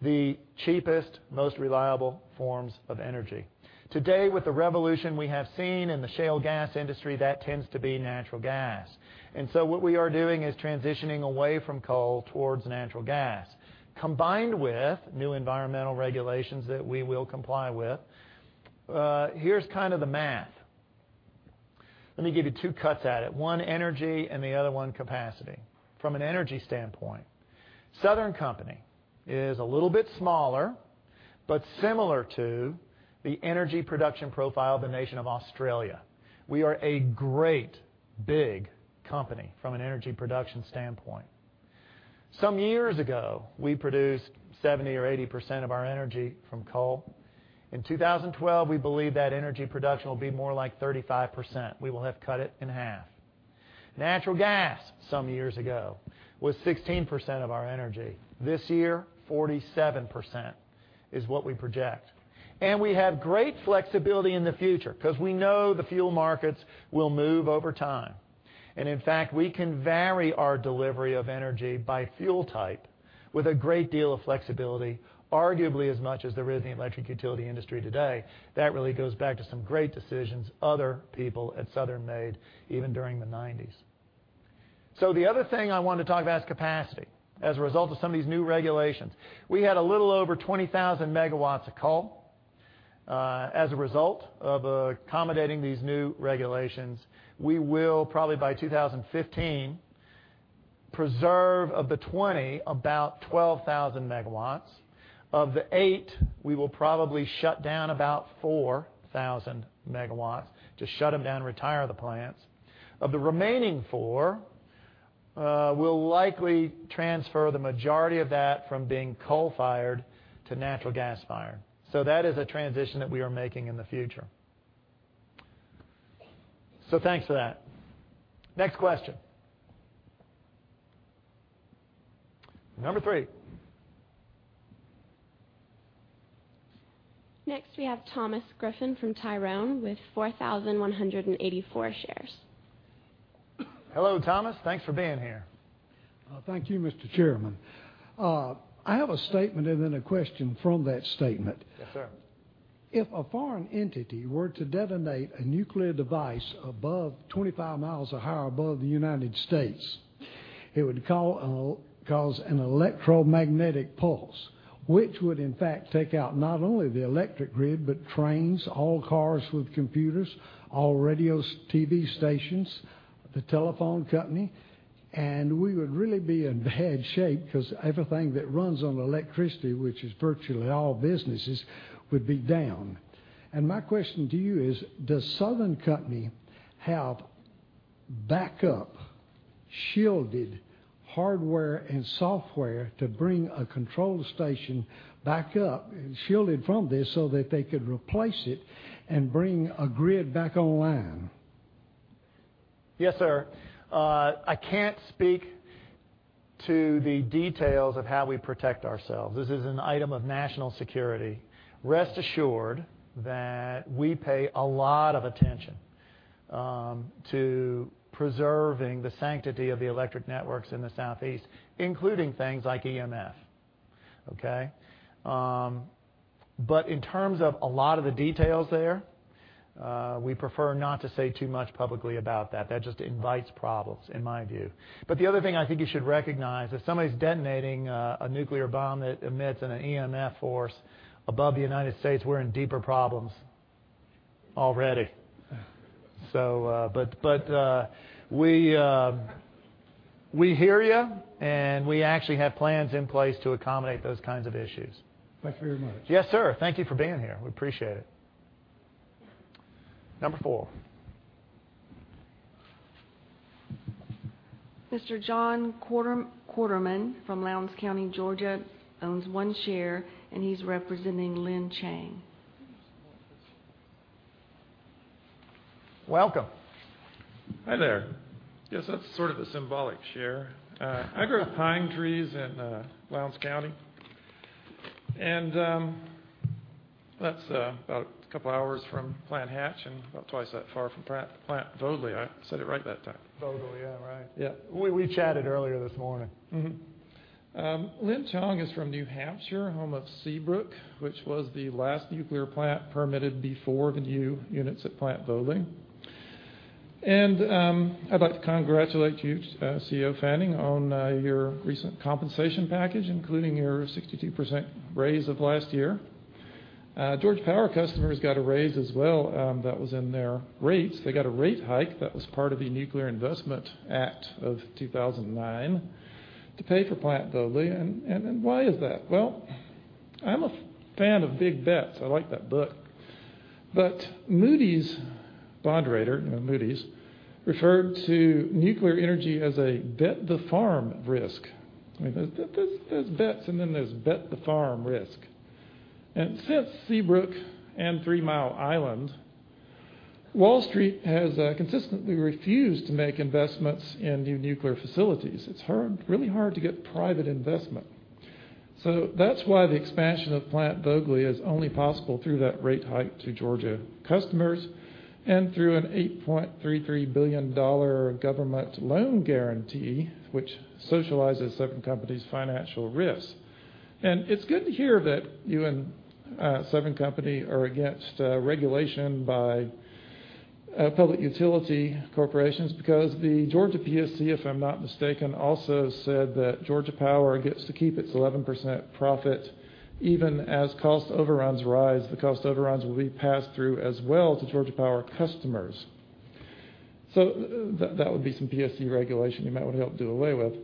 the cheapest, most reliable forms of energy. Today, with the revolution we have seen in the shale gas industry, that tends to be natural gas. What we are doing is transitioning away from coal towards natural gas, combined with new environmental regulations that we will comply with. Here's the math. Let me give you two cuts at it, one energy and the other one capacity. From an energy standpoint, Southern Company is a little bit smaller, but similar to the energy production profile of the nation of Australia. We are a great big company from an energy production standpoint. Some years ago, we produced 70% or 80% of our energy from coal. In 2012, we believe that energy production will be more like 35%. We will have cut it in half. Natural gas, some years ago, was 16% of our energy. This year, 47% is what we project. We have great flexibility in the future because we know the fuel markets will move over time. In fact, we can vary our delivery of energy by fuel type with a great deal of flexibility, arguably as much as there is in the electric utility industry today. That really goes back to some great decisions other people at Southern made, even during the 1990s. The other thing I want to talk about is capacity as a result of some of these new regulations. We had a little over 20,000 megawatts of coal. As a result of accommodating these new regulations, we will probably by 2015 preserve of the 20, about 12,000 megawatts. Of the eight, we will probably shut down about 4,000 megawatts, just shut them down, retire the plants. Of the remaining four, we'll likely transfer the majority of that from being coal-fired to natural gas-fired. That is a transition that we are making in the future. Thanks for that. Next question. Number three. Next we have Thomas Griffin from Tyrone with 4,184 shares. Hello, Thomas. Thanks for being here. Thank you, Mr. Chairman. I have a statement and then a question from that statement. Yes, sir. If a foreign entity were to detonate a nuclear device above 25 miles or higher above the United States, it would cause an electromagnetic pulse, which would in fact take out not only the electric grid, but trains, all cars with computers, all radio, TV stations, the telephone company, and we would really be in bad shape because everything that runs on electricity, which is virtually all businesses, would be down. My question to you is, does Southern Company have backup shielded hardware and software to bring a control station back up, shielded from this so that they could replace it and bring a grid back online? Yes, sir. I can't speak to the details of how we protect ourselves. This is an item of national security. Rest assured that we pay a lot of attention to preserving the sanctity of the electric networks in the Southeast, including things like EMP. Okay? In terms of a lot of the details there, we prefer not to say too much publicly about that. That just invites problems in my view. The other thing I think you should recognize, if somebody's detonating a nuclear bomb that emits an EMP force above the United States, we're in deeper problems already. We hear you, and we actually have plans in place to accommodate those kinds of issues. Thank you very much. Yes, sir. Thank you for being here. We appreciate it. Number four. Mr. John Quarterman from Lowndes County, Georgia, owns one share. He's representing Lynn Chang. Welcome. Hi there. Yes, that's sort of a symbolic share. I grew pine trees in Lowndes County. That's about a couple of hours from Plant Hatch and about twice that far from Plant Vogtle. I said it right that time. Vogtle, yeah. Right. Yeah. We chatted earlier this morning. Lynn Chang is from New Hampshire, home of Seabrook, which was the last nuclear plant permitted before the new units at Plant Vogtle. I'd like to congratulate you, CEO Fanning, on your recent compensation package, including your 62% raise of last year. Georgia Power customers got a raise as well, that was in their rates. They got a rate hike that was part of the Georgia Nuclear Energy Financing Act of 2009 to pay for Plant Vogtle. Why is that? Well, I'm a fan of Big Bets. I like that book. Moody's bond rater, you know Moody's, referred to nuclear energy as a bet the farm risk. I mean, there's bets and then there's bet the farm risk. Since Seabrook and Three Mile Island, Wall Street has consistently refused to make investments in new nuclear facilities. It's really hard to get private investment. That's why the expansion of Plant Vogtle is only possible through that rate hike to Georgia customers and through an $8.33 billion government loan guarantee, which socializes Southern Company's financial risks. It's good to hear that you and Southern Company are against regulation by public utility corporations because the Georgia PSC, if I'm not mistaken, also said that Georgia Power gets to keep its 11% profit even as cost overruns rise. The cost overruns will be passed through as well to Georgia Power customers. That would be some PSC regulation you might want to help do away with.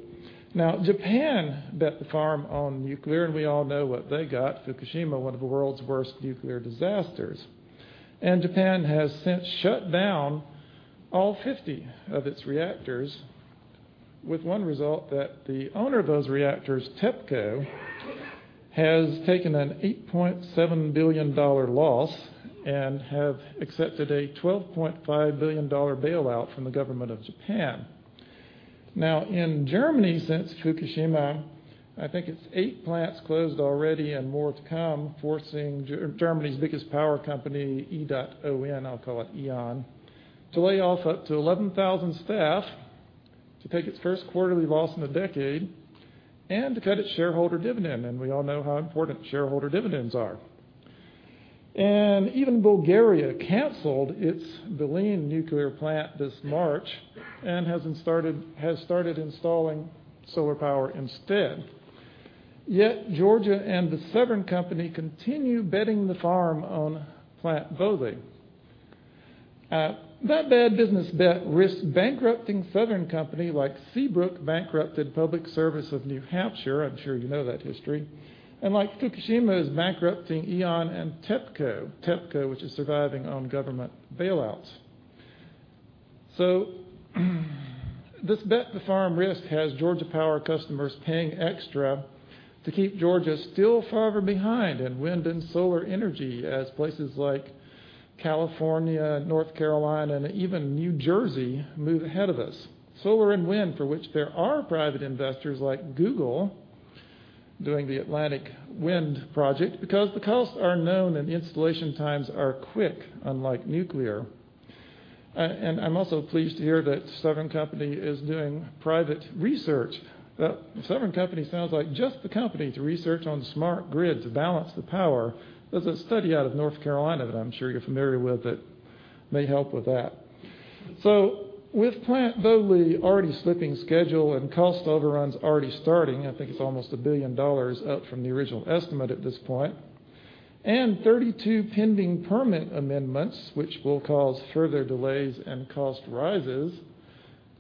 Now, Japan bet the farm on nuclear, and we all know what they got, Fukushima, one of the world's worst nuclear disasters. Japan has since shut down all 50 of its reactors, with one result that the owner of those reactors, TEPCO, has taken an $8.7 billion loss and have accepted a $12.5 billion bailout from the government of Japan. Now, in Germany, since Fukushima, I think it's eight plants closed already and more to come, forcing Germany's biggest power company, E.ON, I'll call it E.ON, to lay off up to 11,000 staff, to take its first quarterly loss in a decade, and to cut its shareholder dividend. We all know how important shareholder dividends are. Even Bulgaria canceled its Belene nuclear plant this March and has started installing solar power instead. Yet Georgia and Southern Company continue betting the farm on Plant Vogtle. That bad business bet risks bankrupting Southern Company like Seabrook bankrupted Public Service of New Hampshire, I'm sure you know that history. Like Fukushima is bankrupting E.ON and TEPCO. TEPCO, which is surviving on government bailouts. This bet the farm risk has Georgia Power customers paying extra to keep Georgia still farther behind in wind and solar energy as places like California, North Carolina, and even New Jersey move ahead of us. Solar and wind, for which there are private investors like Google doing the Atlantic Wind Connection because the costs are known and the installation times are quick, unlike nuclear. I'm also pleased to hear that Southern Company is doing private research. The Southern Company sounds like just the company to research on smart grid to balance the power. There's a study out of North Carolina that I'm sure you're familiar with that may help with that. With Plant Vogtle already slipping schedule and cost overruns already starting, I think it's almost $1 billion up from the original estimate at this point, and 32 pending permit amendments, which will cause further delays and cost rises.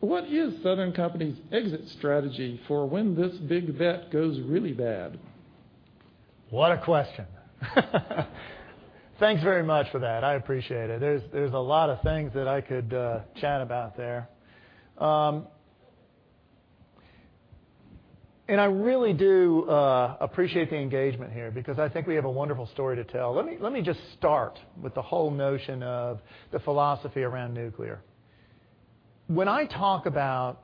What is Southern Company's exit strategy for when this big bet goes really bad? What a question. Thanks very much for that. I appreciate it. There's a lot of things that I could chat about there. I really do appreciate the engagement here because I think we have a wonderful story to tell. Let me just start with the whole notion of the philosophy around nuclear. When I talk about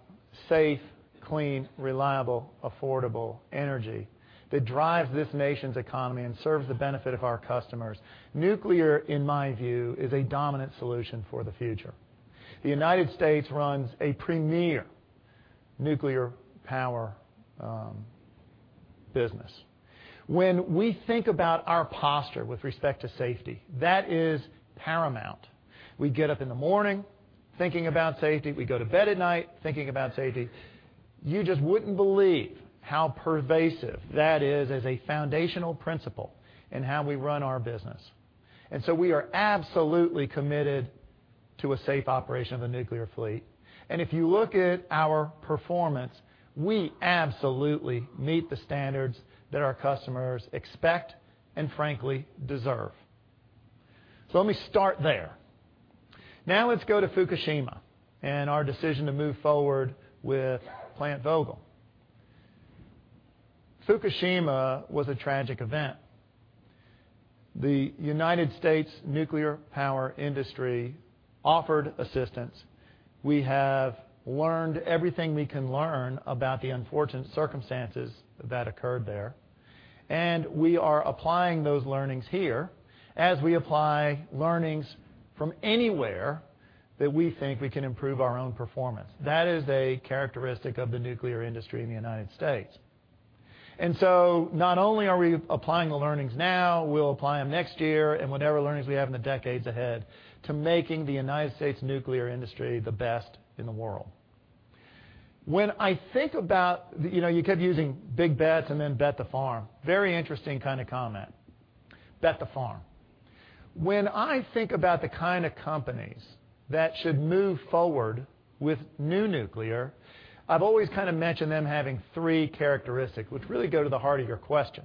safe, clean, reliable, affordable energy that drives this nation's economy and serves the benefit of our customers, nuclear, in my view, is a dominant solution for the future. The United States runs a premier nuclear power business. When we think about our posture with respect to safety, that is paramount. We get up in the morning thinking about safety. We go to bed at night thinking about safety. You just wouldn't believe how pervasive that is as a foundational principle in how we run our business. We are absolutely committed to a safe operation of the nuclear fleet. If you look at our performance, we absolutely meet the standards that our customers expect and frankly, deserve. Let me start there. Now let's go to Fukushima and our decision to move forward with Plant Vogtle. Fukushima was a tragic event. The United States nuclear power industry offered assistance. We have learned everything we can learn about the unfortunate circumstances that occurred there, and we are applying those learnings here as we apply learnings from anywhere that we think we can improve our own performance. That is a characteristic of the nuclear industry in the United States. Not only are we applying the learnings now, we'll apply them next year and whatever learnings we have in the decades ahead to making the United States nuclear industry the best in the world. When I think about, you kept using Big Bets and then bet the farm. Very interesting kind of comment. Bet the farm. When I think about the kind of companies that should move forward with new nuclear, I've always mentioned them having three characteristics which really go to the heart of your question.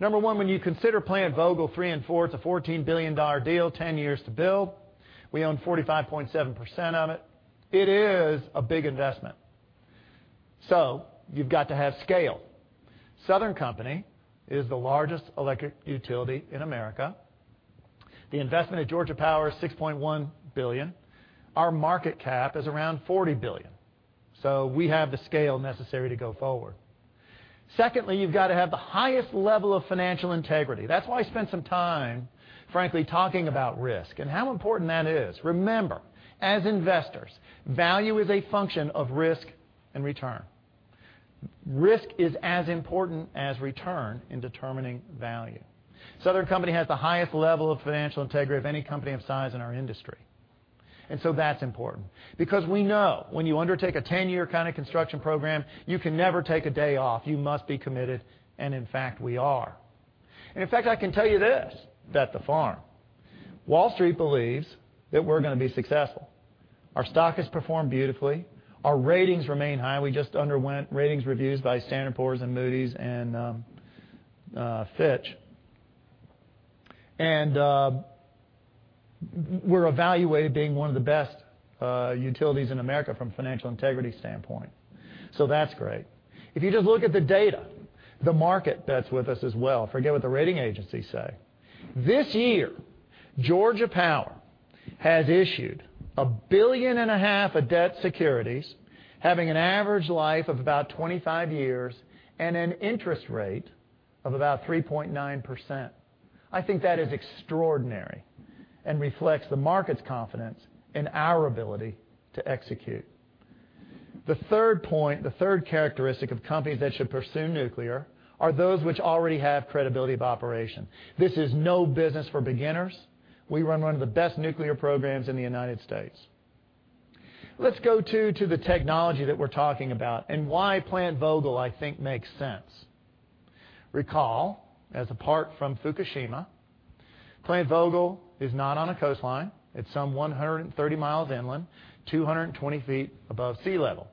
Number one, when you consider Plant Vogtle 3 and 4, it's a $14 billion deal, 10 years to build. We own 45.7% of it. It is a big investment. You've got to have scale. Southern Company is the largest electric utility in America. The investment at Georgia Power is $6.1 billion. Our market cap is around $40 billion. We have the scale necessary to go forward. Secondly, you've got to have the highest level of financial integrity. That's why I spent some time, frankly, talking about risk and how important that is. Remember, as investors, value is a function of risk and return. Risk is as important as return in determining value. Southern Company has the highest level of financial integrity of any company of size in our industry, that's important because we know when you undertake a 10-year construction program, you can never take a day off. You must be committed, in fact, we are. In fact, I can tell you this, bet the farm. Wall Street believes that we're going to be successful. Our stock has performed beautifully. Our ratings remain high. We just underwent ratings reviews by Standard & Poor's, Moody's, and Fitch. We're evaluated being one of the best utilities in America from a financial integrity standpoint. That's great. If you just look at the data, the market bets with us as well. Forget what the rating agencies say. This year, Georgia Power has issued $1.5 billion of debt securities, having an average life of about 25 years and an interest rate of about 3.9%. I think that is extraordinary and reflects the market's confidence in our ability to execute. The third point, the third characteristic of companies that should pursue nuclear are those which already have credibility of operation. This is no business for beginners. We run one of the best nuclear programs in the U.S. Let's go to the technology that we're talking about and why Plant Vogtle, I think, makes sense. Recall, as apart from Fukushima, Plant Vogtle is not on a coastline. It's some 130 miles inland, 220 feet above sea level.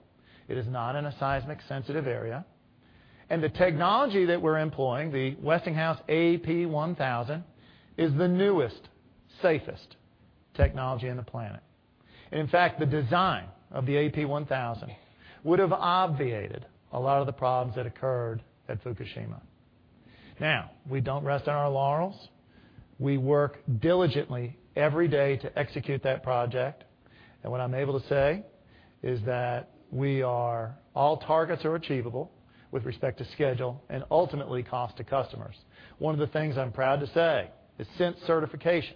It is not in a seismic sensitive area. The technology that we're employing, the Westinghouse AP1000, is the newest, safest technology on the planet. In fact, the design of the AP1000 would have obviated a lot of the problems that occurred at Fukushima. Now, we don't rest on our laurels. We work diligently every day to execute that project. What I'm able to say is that all targets are achievable with respect to schedule and ultimately cost to customers. One of the things I'm proud to say is since certification,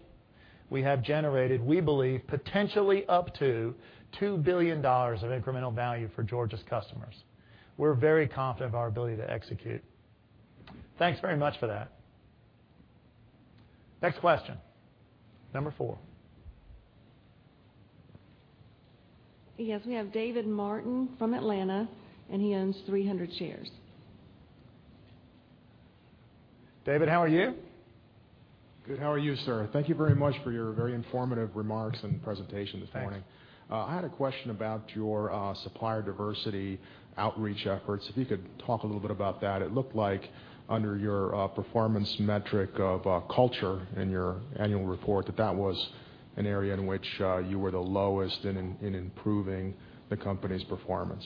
we have generated, we believe, potentially up to $2 billion of incremental value for Georgia's customers. We're very confident of our ability to execute. Thanks very much for that. Next question, number 4. Yes, we have David Martin from Atlanta, and he owns 300 shares. David, how are you? Good. How are you, sir? Thank you very much for your very informative remarks and presentation this morning. Thanks. I had a question about your supplier diversity outreach efforts, if you could talk a little bit about that. It looked like under your performance metric of culture in your annual report, that that was an area in which you were the lowest in improving the company's performance.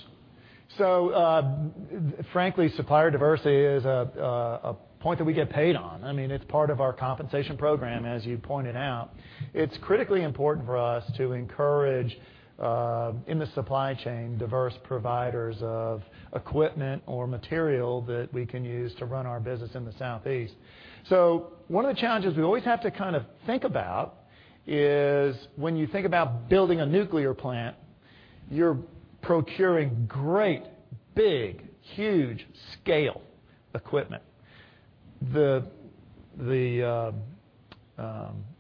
Frankly, supplier diversity is a point that we get paid on. It's part of our compensation program, as you pointed out. It's critically important for us to encourage, in the supply chain, diverse providers of equipment or material that we can use to run our business in the Southeast. One of the challenges we always have to think about is when you think about building a nuclear plant, you're procuring great, big, huge scale equipment. The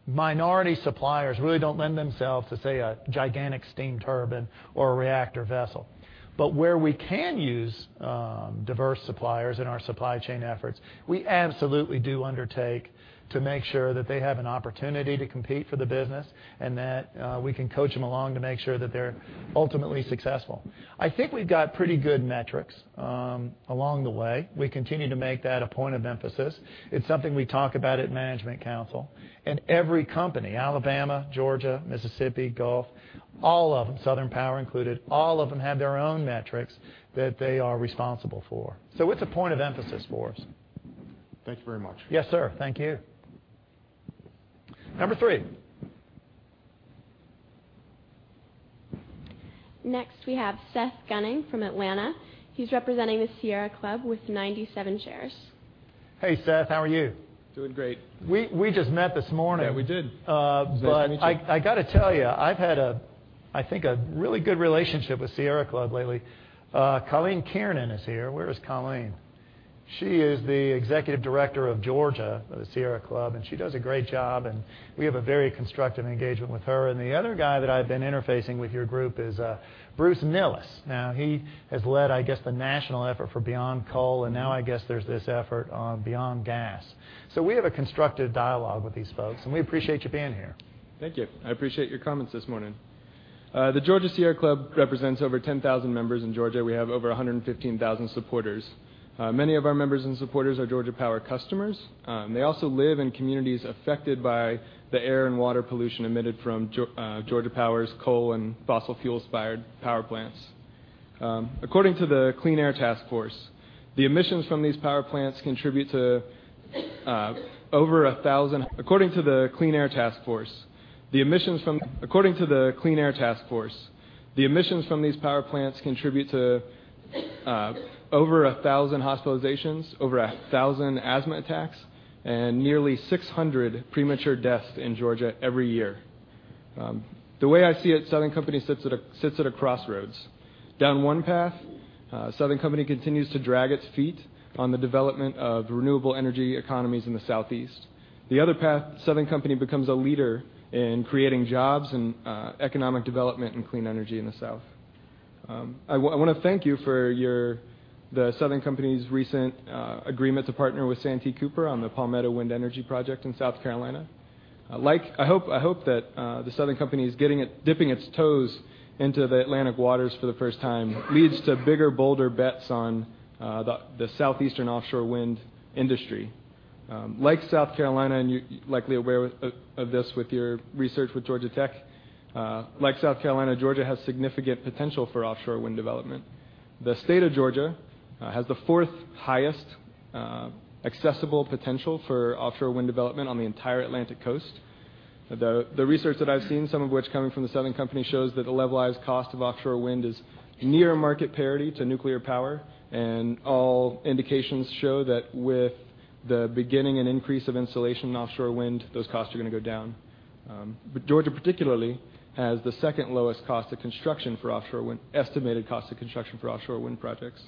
minority suppliers really don't lend themselves to, say, a gigantic steam turbine or a reactor vessel. Where we can use diverse suppliers in our supply chain efforts, we absolutely do undertake to make sure that they have an opportunity to compete for the business, and that we can coach them along to make sure that they're ultimately successful. I think we've got pretty good metrics along the way. We continue to make that a point of emphasis. It's something we talk about at Management Council. Every company, Alabama, Georgia, Mississippi, Gulf, all of them, Southern Power included, all of them have their own metrics that they are responsible for. It's a point of emphasis for us. Thank you very much. Yes, sir. Thank you. Number 3. Next, we have Seth Gunning from Atlanta. He is representing the Sierra Club with 97 shares. Hey, Seth. How are you? Doing great. We just met this morning. Yeah, we did. Nice to meet you. I got to tell you, I've had, I think, a really good relationship with Sierra Club lately. Colleen Kiernan is here. Where is Colleen? She is the executive director of Georgia of the Sierra Club, and she does a great job, and we have a very constructive engagement with her. The other guy that I've been interfacing with your group is Bruce Nilles. Now, he has led, I guess, the national effort for Beyond Coal, and now I guess there's this effort on Beyond Gas. We have a constructive dialogue with these folks, and we appreciate you being here. Thank you. I appreciate your comments this morning. The Georgia Sierra Club represents over 10,000 members in Georgia. We have over 115,000 supporters. Many of our members and supporters are Georgia Power customers. They also live in communities affected by the air and water pollution emitted from Georgia Power's coal and fossil fuel-fired power plants. According to the Clean Air Task Force, the emissions from these power plants contribute to over 1,000 hospitalizations, over 1,000 asthma attacks, and nearly 600 premature deaths in Georgia every year. The way I see it, The Southern Company sits at a crossroads. Down one path, The Southern Company continues to drag its feet on the development of renewable energy economies in the Southeast. The other path, The Southern Company becomes a leader in creating jobs and economic development in clean energy in the South. I want to thank you for The Southern Company's recent agreement to partner with Santee Cooper on the Palmetto Wind Energy Project in South Carolina. I hope that The Southern Company dipping its toes into the Atlantic waters for the first time leads to bigger, bolder bets on the Southeastern offshore wind industry. Like South Carolina, and you're likely aware of this with your research with Georgia Tech, Georgia has significant potential for offshore wind development. The state of Georgia has the fourth highest accessible potential for offshore wind development on the entire Atlantic coast. The research that I've seen, some of which coming from The Southern Company, shows that the levelized cost of offshore wind is near market parity to nuclear power, and all indications show that with the beginning and increase of installation in offshore wind, those costs are going to go down. Georgia particularly has the second lowest estimated cost of construction for offshore wind projects.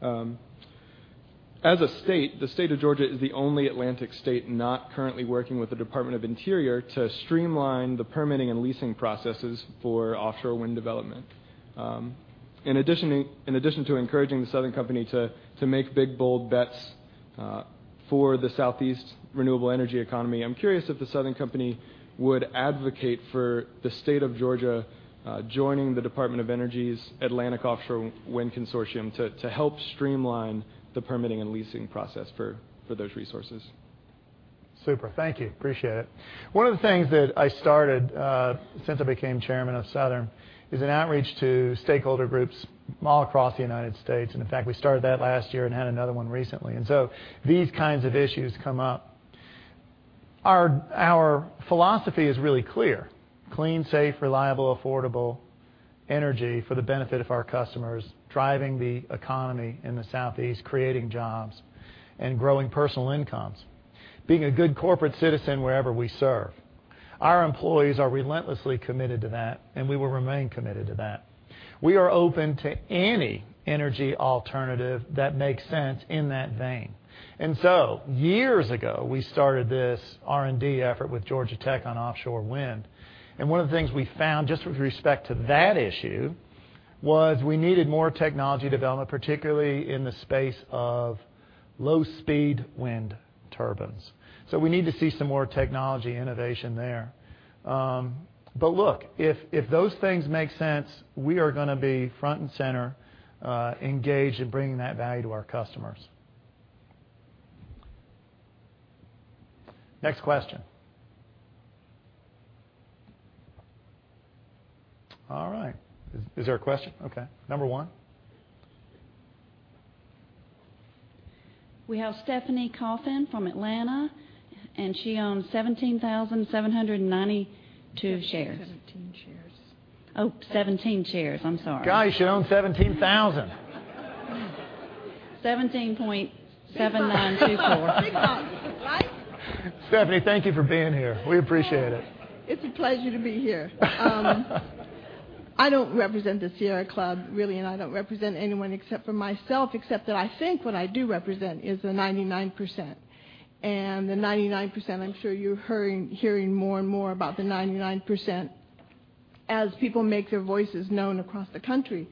As a state, the state of Georgia is the only Atlantic state not currently working with the Department of Interior to streamline the permitting and leasing processes for offshore wind development. In addition to encouraging Southern Company to make big, bold bets for the Southeast renewable energy economy, I am curious if Southern Company would advocate for the state of Georgia joining the Department of Energy's Atlantic Offshore Wind Consortium to help streamline the permitting and leasing process for those resources. Super. Thank you. Appreciate it. One of the things that I started since I became Chairman of Southern is an outreach to stakeholder groups all across the U.S. In fact, we started that last year and had another one recently. These kinds of issues come up. Our philosophy is really clear. Clean, safe, reliable, affordable energy for the benefit of our customers, driving the economy in the Southeast, creating jobs, and growing personal incomes. Being a good corporate citizen wherever we serve. Our employees are relentlessly committed to that, and we will remain committed to that. We are open to any energy alternative that makes sense in that vein. Years ago, we started this R&D effort with Georgia Tech on offshore wind. One of the things we found just with respect to that issue was we needed more technology development, particularly in the space of low-speed wind turbines. We need to see some more technology innovation there. Look, if those things make sense, we are going to be front and center, engaged in bringing that value to our customers. Next question. All right. Is there a question? Okay, number 1. We have Stephanie Coffin from Atlanta, and she owns 17,792 shares. 17 shares. Oh, 17 shares. I'm sorry. Gosh, you own 17,000. 17.7924. Big lungs, right? Stephanie, thank you for being here. We appreciate it. It's a pleasure to be here. I don't represent the Sierra Club, really, and I don't represent anyone except for myself, except that I think what I do represent is the 99%. The 99%, I'm sure you're hearing more and more about the 99% as people make their voices known across the country.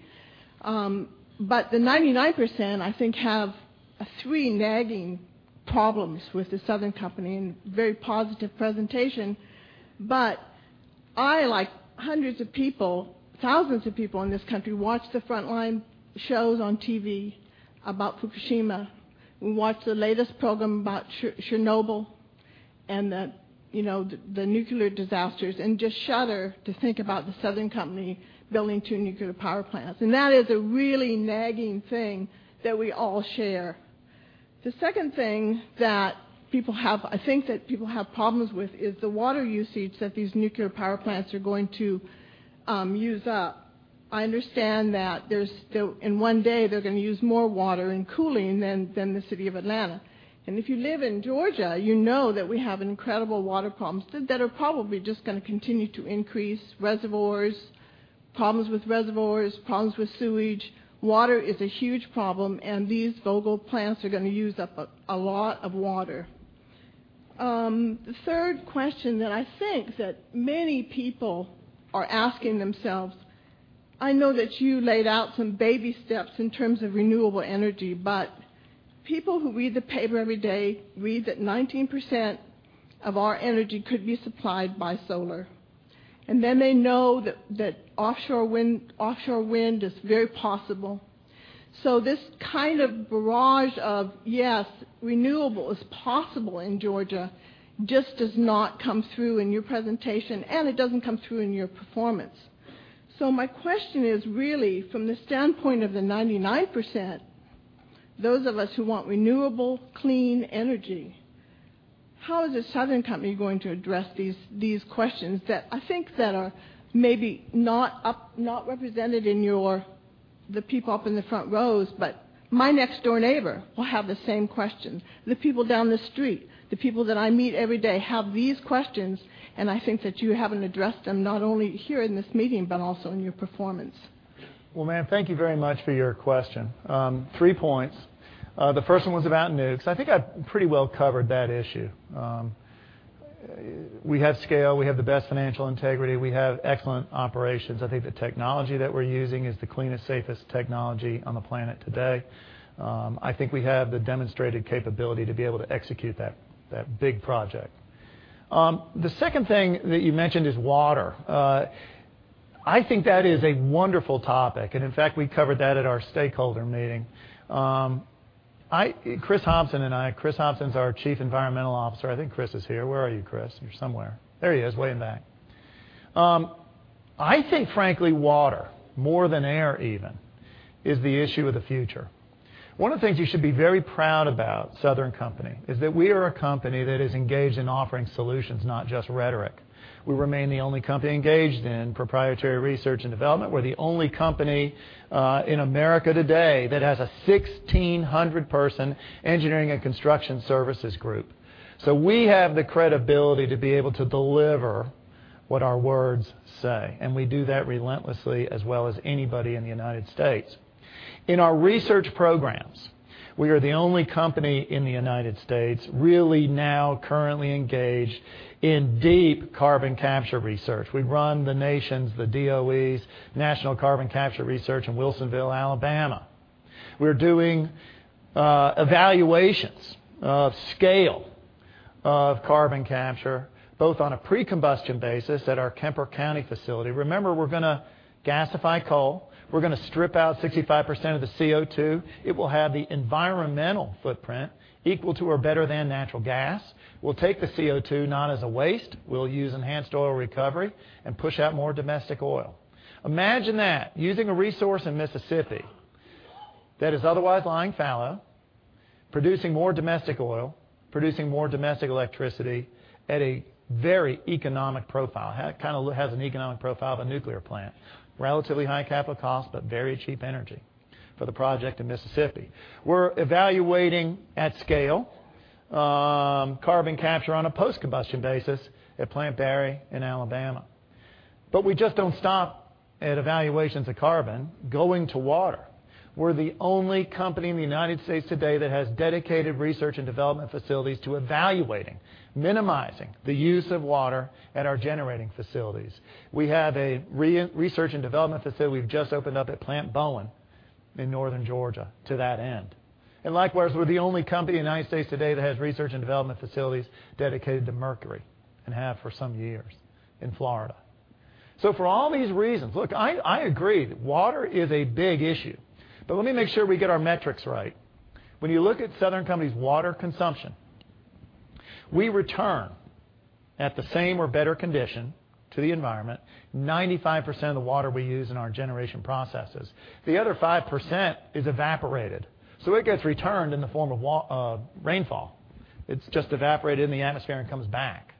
The 99%, I think, have three nagging problems with The Southern Company and very positive presentation. I, like hundreds of people, thousands of people in this country, watch the Frontline shows on TV about Fukushima. We watch the latest program about Chernobyl and the nuclear disasters, just shudder to think about The Southern Company building two nuclear power plants. That is a really nagging thing that we all share. The second thing that I think that people have problems with is the water usage that these nuclear power plants are going to use up. I understand that in one day, they're going to use more water in cooling than the city of Atlanta. If you live in Georgia, you know that we have incredible water problems that are probably just going to continue to increase. Reservoirs, problems with reservoirs, problems with sewage. Water is a huge problem, these Vogtle plants are going to use up a lot of water. The third question that I think that many people are asking themselves, I know that you laid out some baby steps in terms of renewable energy, people who read the paper every day read that 19% of our energy could be supplied by solar. Then they know that offshore wind is very possible. This kind of barrage of, yes, renewable is possible in Georgia just does not come through in your presentation, and it doesn't come through in your performance. My question is, really, from the standpoint of the 99%, those of us who want renewable, clean energy, how is The Southern Company going to address these questions that I think that are maybe not represented in the people up in the front rows, my next-door neighbor will have the same question. The people down the street, the people that I meet every day have these questions, I think that you haven't addressed them, not only here in this meeting, but also in your performance. Well, ma'am, thank you very much for your question. Three points. The first one was about nukes. I think I pretty well covered that issue. We have scale. We have the best financial integrity. We have excellent operations. I think the technology that we're using is the cleanest, safest technology on the planet today. I think we have the demonstrated capability to be able to execute that big project. The second thing that you mentioned is water. I think that is a wonderful topic, and in fact, we covered that at our stakeholder meeting. Chris Hobson and I, Chris Hobson is our Chief Environmental Officer. I think Chris is here. Where are you, Chris? You're somewhere. There he is, way in the back. I think, frankly, water, more than air even, is the issue of the future. One of the things you should be very proud about Southern Company is that we are a company that is engaged in offering solutions, not just rhetoric. We remain the only company engaged in proprietary research and development. We're the only company in America today that has a 1,600-person engineering and construction services group. We have the credibility to be able to deliver what our words say, and we do that relentlessly as well as anybody in the United States. In our research programs, we are the only company in the United States really now currently engaged in deep carbon capture research. We run the nation's, the DOE's National Carbon Capture Center in Wilsonville, Alabama. We're doing evaluations of scale of carbon capture, both on a pre-combustion basis at our Kemper County facility. Remember, we're going to gasify coal. We're going to strip out 65% of the CO2. It will have the environmental footprint equal to or better than natural gas. We'll take the CO2 not as a waste. We'll use enhanced oil recovery and push out more domestic oil. Imagine that, using a resource in Mississippi that is otherwise lying fallow, producing more domestic oil, producing more domestic electricity at a very economic profile. It has an economic profile of a nuclear plant. Relatively high capital cost, but very cheap energy for the project in Mississippi. We're evaluating at scale carbon capture on a post-combustion basis at Plant Barry in Alabama. We just don't stop at evaluations of carbon. Going to water, we're the only company in the United States today that has dedicated research and development facilities to evaluating, minimizing the use of water at our generating facilities. We have a research and development facility we've just opened up at Plant Bowen in northern Georgia to that end. Likewise, we're the only company in the United States today that has research and development facilities dedicated to mercury and have for some years in Florida. For all these reasons, look, I agree that water is a big issue. Let me make sure we get our metrics right. When you look at Southern Company's water consumption, we return at the same or better condition to the environment 95% of the water we use in our generation processes. The other 5% is evaporated. It gets returned in the form of rainfall. It's just evaporated in the atmosphere and comes back.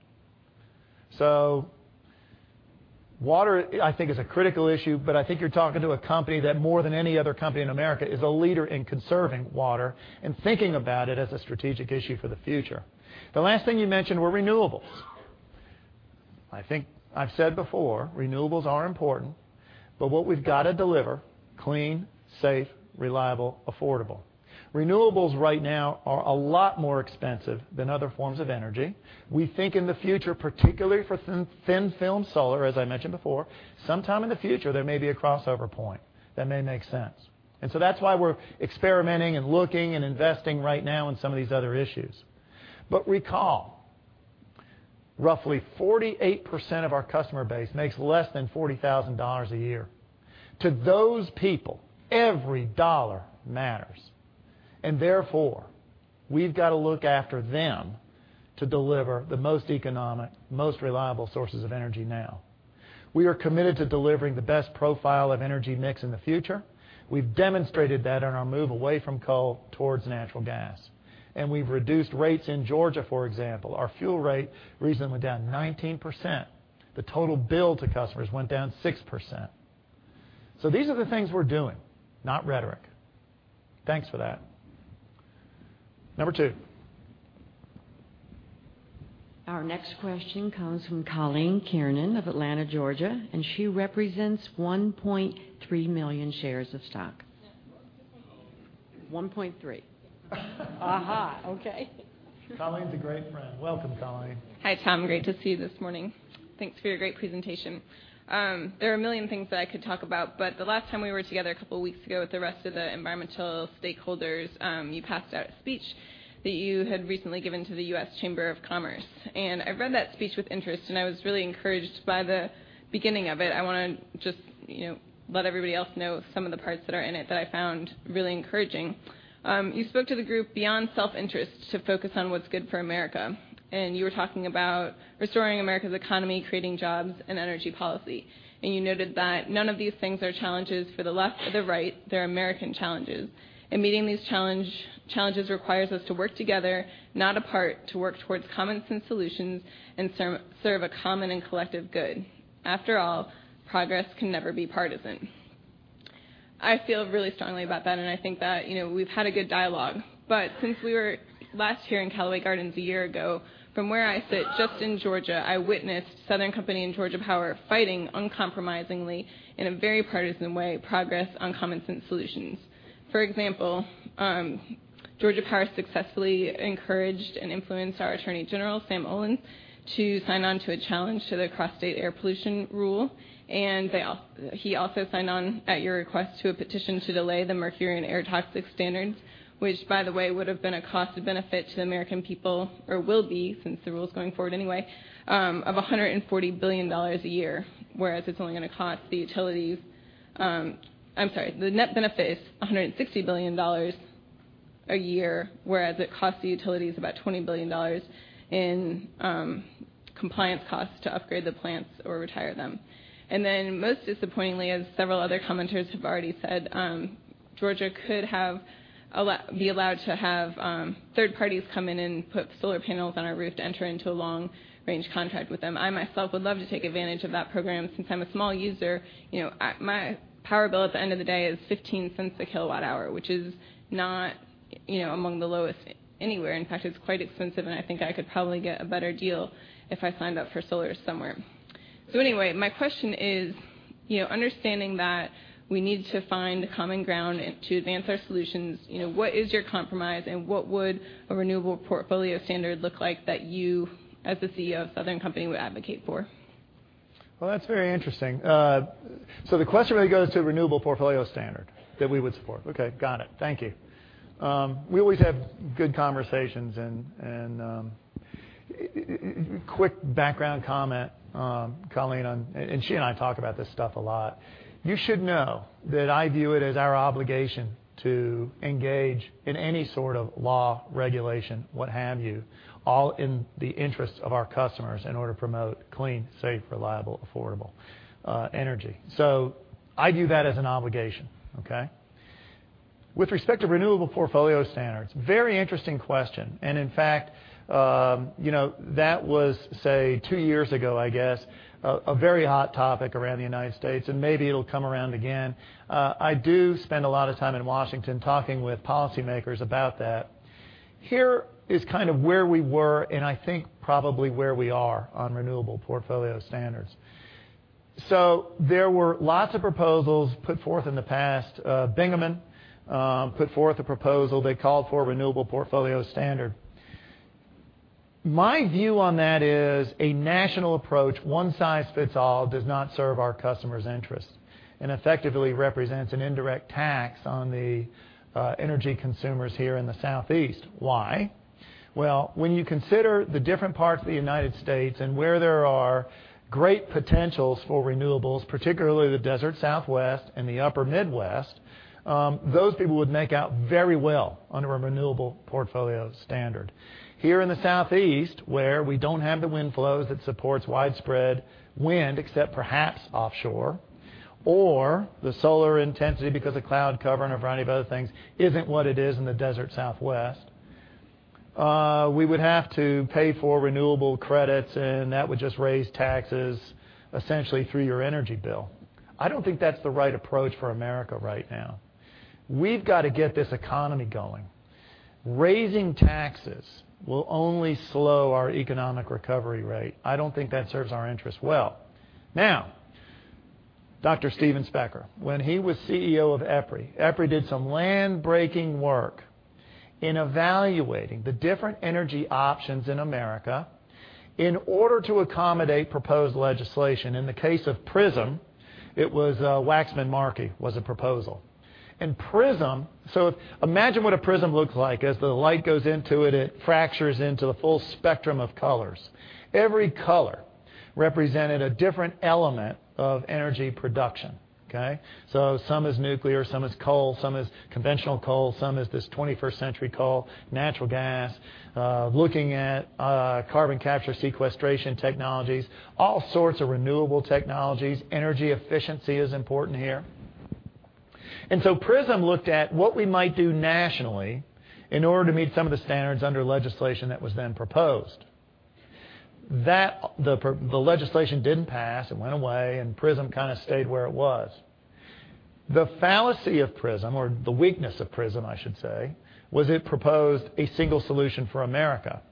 Water, I think, is a critical issue, but I think you're talking to a company that more than any other company in America is a leader in conserving water and thinking about it as a strategic issue for the future. The last thing you mentioned were renewables. I think I've said before, renewables are important, but what we've got to deliver, clean, safe, reliable, affordable. Renewables right now are a lot more expensive than other forms of energy. We think in the future, particularly for thin-film solar, as I mentioned before, sometime in the future, there may be a crossover point that may make sense. That's why we're experimenting and looking and investing right now in some of these other issues. Recall, roughly 48% of our customer base makes less than $40,000 a year. To those people, every dollar matters, and therefore, we've got to look after them to deliver the most economic, most reliable sources of energy now. We are committed to delivering the best profile of energy mix in the future. We've demonstrated that in our move away from coal towards natural gas. We've reduced rates in Georgia, for example. Our fuel rate recently went down 19%. The total bill to customers went down 6%. These are the things we're doing, not rhetoric. Thanks for that. Number two. Our next question comes from Colleen Kiernan of Atlanta, Georgia, and she represents 1.3 million shares of stock. 1.3. Okay. Colleen's a great friend. Welcome, Colleen. Hi, Tom. Great to see you this morning. Thanks for your great presentation. There are a million things that I could talk about, but the last time we were together a couple weeks ago with the rest of the environmental stakeholders, you passed out a speech that you had recently given to the U.S. Chamber of Commerce. I read that speech with interest, and I was really encouraged by the beginning of it. I want to just let everybody else know some of the parts that are in it that I found really encouraging. You spoke to the group beyond self-interest to focus on what's good for America, and you were talking about restoring America's economy, creating jobs and energy policy. You noted that none of these things are challenges for the left or the right. They're American challenges. Meeting these challenges requires us to work together, not apart, to work towards common sense solutions and serve a common and collective good. After all, progress can never be partisan. I feel really strongly about that, and I think that we've had a good dialogue. Since we were last here in Callaway Gardens a year ago, from where I sit, just in Georgia, I witnessed Southern Company and Georgia Power fighting uncompromisingly in a very partisan way, progress on common sense solutions. For example, Georgia Power successfully encouraged and influenced our Attorney General, Sam Olens, to sign on to a challenge to the Cross-State Air Pollution Rule. He also signed on at your request to a petition to delay the Mercury and Air Toxics Standards, which, by the way, would have been a cost benefit to the American people, or will be, since the rule is going forward anyway, of $140 billion a year, whereas it's only going to cost the utilities I'm sorry, the net benefit is $160 billion a year, whereas it costs the utilities about $20 billion in compliance costs to upgrade the plants or retire them. Then most disappointingly, as several other commenters have already said, Georgia could be allowed to have third parties come in and put solar panels on our roof to enter into a long-range contract with them. I myself would love to take advantage of that program since I'm a small user. My power bill at the end of the day is $0.15 a kilowatt hour, which is not among the lowest anywhere. In fact, it's quite expensive, and I think I could probably get a better deal if I signed up for solar somewhere. Anyway, my question is, understanding that we need to find common ground to advance our solutions, what is your compromise, and what would a renewable portfolio standard look like that you, as the CEO of Southern Company, would advocate for? Well, that's very interesting. The question really goes to renewable portfolio standard that we would support. Okay. Got it. Thank you. We always have good conversations, and quick background comment, Colleen, and she and I talk about this stuff a lot. You should know that I view it as our obligation to engage in any sort of law, regulation, what have you, all in the interest of our customers in order to promote clean, safe, reliable, affordable energy. I view that as an obligation. Okay? With respect to renewable portfolio standards, very interesting question. In fact, that was, say, 2 years ago, I guess, a very hot topic around the U.S., and maybe it will come around again. I do spend a lot of time in Washington talking with policymakers about that. Here is where we were, and I think probably where we are on renewable portfolio standards. There were lots of proposals put forth in the past. Bingaman put forth a proposal. They called for a renewable portfolio standard. My view on that is a national approach, one size fits all, does not serve our customers' interests and effectively represents an indirect tax on the energy consumers here in the Southeast. Why? Well, when you consider the different parts of the U.S. and where there are great potentials for renewables, particularly the desert Southwest and the upper Midwest, those people would make out very well under a renewable portfolio standard. Here in the Southeast, where we don't have the wind flows that supports widespread wind, except perhaps offshore, or the solar intensity, because of cloud cover and a variety of other things, isn't what it is in the desert Southwest, we would have to pay for renewable credits, and that would just raise taxes essentially through your energy bill. I don't think that's the right approach for America right now. We've got to get this economy going. Raising taxes will only slow our economic recovery rate. I don't think that serves our interests well. Now, Dr. Steven Specker, when he was CEO of EPRI did some groundbreaking work in evaluating the different energy options in America in order to accommodate proposed legislation. In the case of PRISM, it was Waxman-Markey was a proposal. PRISM imagine what a prism looks like. As the light goes into it fractures into the full spectrum of colors. Every color represented a different element of energy production. Okay? Some is nuclear, some is coal, some is conventional coal, some is this 21st century coal, natural gas, looking at carbon capture sequestration technologies, all sorts of renewable technologies. Energy efficiency is important here. Prism looked at what we might do nationally in order to meet some of the standards under legislation that was then proposed. The legislation didn't pass. It went away, and Prism kind of stayed where it was. The fallacy of Prism, or the weakness of Prism, I should say, was it proposed a single solution for America.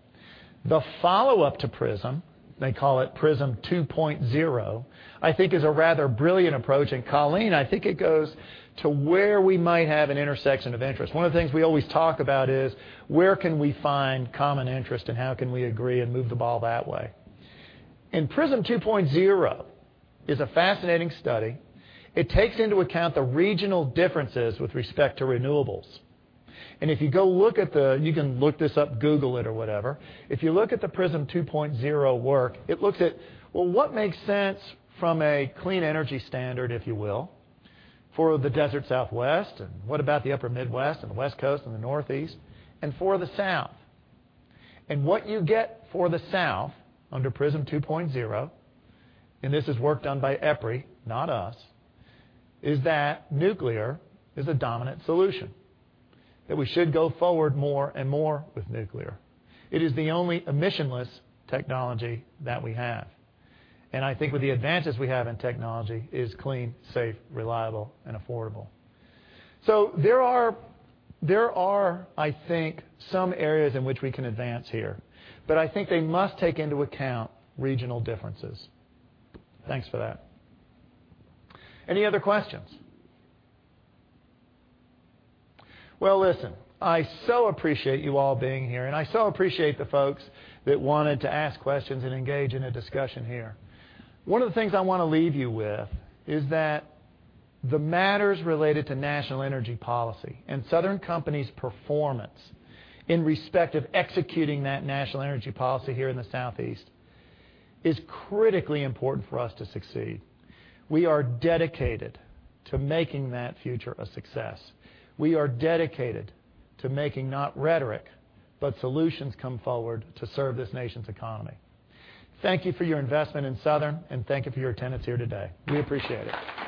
The follow-up to Prism, they call it Prism 2.0, I think is a rather brilliant approach. Colleen, I think it goes to where we might have an intersection of interest. One of the things we always talk about is where can we find common interest and how can we agree and move the ball that way? Prism 2.0 is a fascinating study. It takes into account the regional differences with respect to renewables. You can look this up, Google it or whatever. If you look at the Prism 2.0 work, it looks at, well, what makes sense from a clean energy standard, if you will, for the Desert Southwest, and what about the Upper Midwest and the West Coast and the Northeast and for the South? What you get for the South, under Prism 2.0, and this is work done by EPRI, not us, is that nuclear is a dominant solution. That we should go forward more and more with nuclear. It is the only emissionless technology that we have. I think with the advances we have in technology, it is clean, safe, reliable, and affordable. There are, I think, some areas in which we can advance here, but I think they must take into account regional differences. Thanks for that. Any other questions? Well, listen, I so appreciate you all being here, and I so appreciate the folks that wanted to ask questions and engage in a discussion here. One of the things I want to leave you with is that the matters related to national energy policy and Southern Company's performance in respect of executing that national energy policy here in the Southeast is critically important for us to succeed. We are dedicated to making that future a success. We are dedicated to making not rhetoric, but solutions come forward to serve this nation's economy. Thank you for your investment in Southern, thank you for your attendance here today. We appreciate it.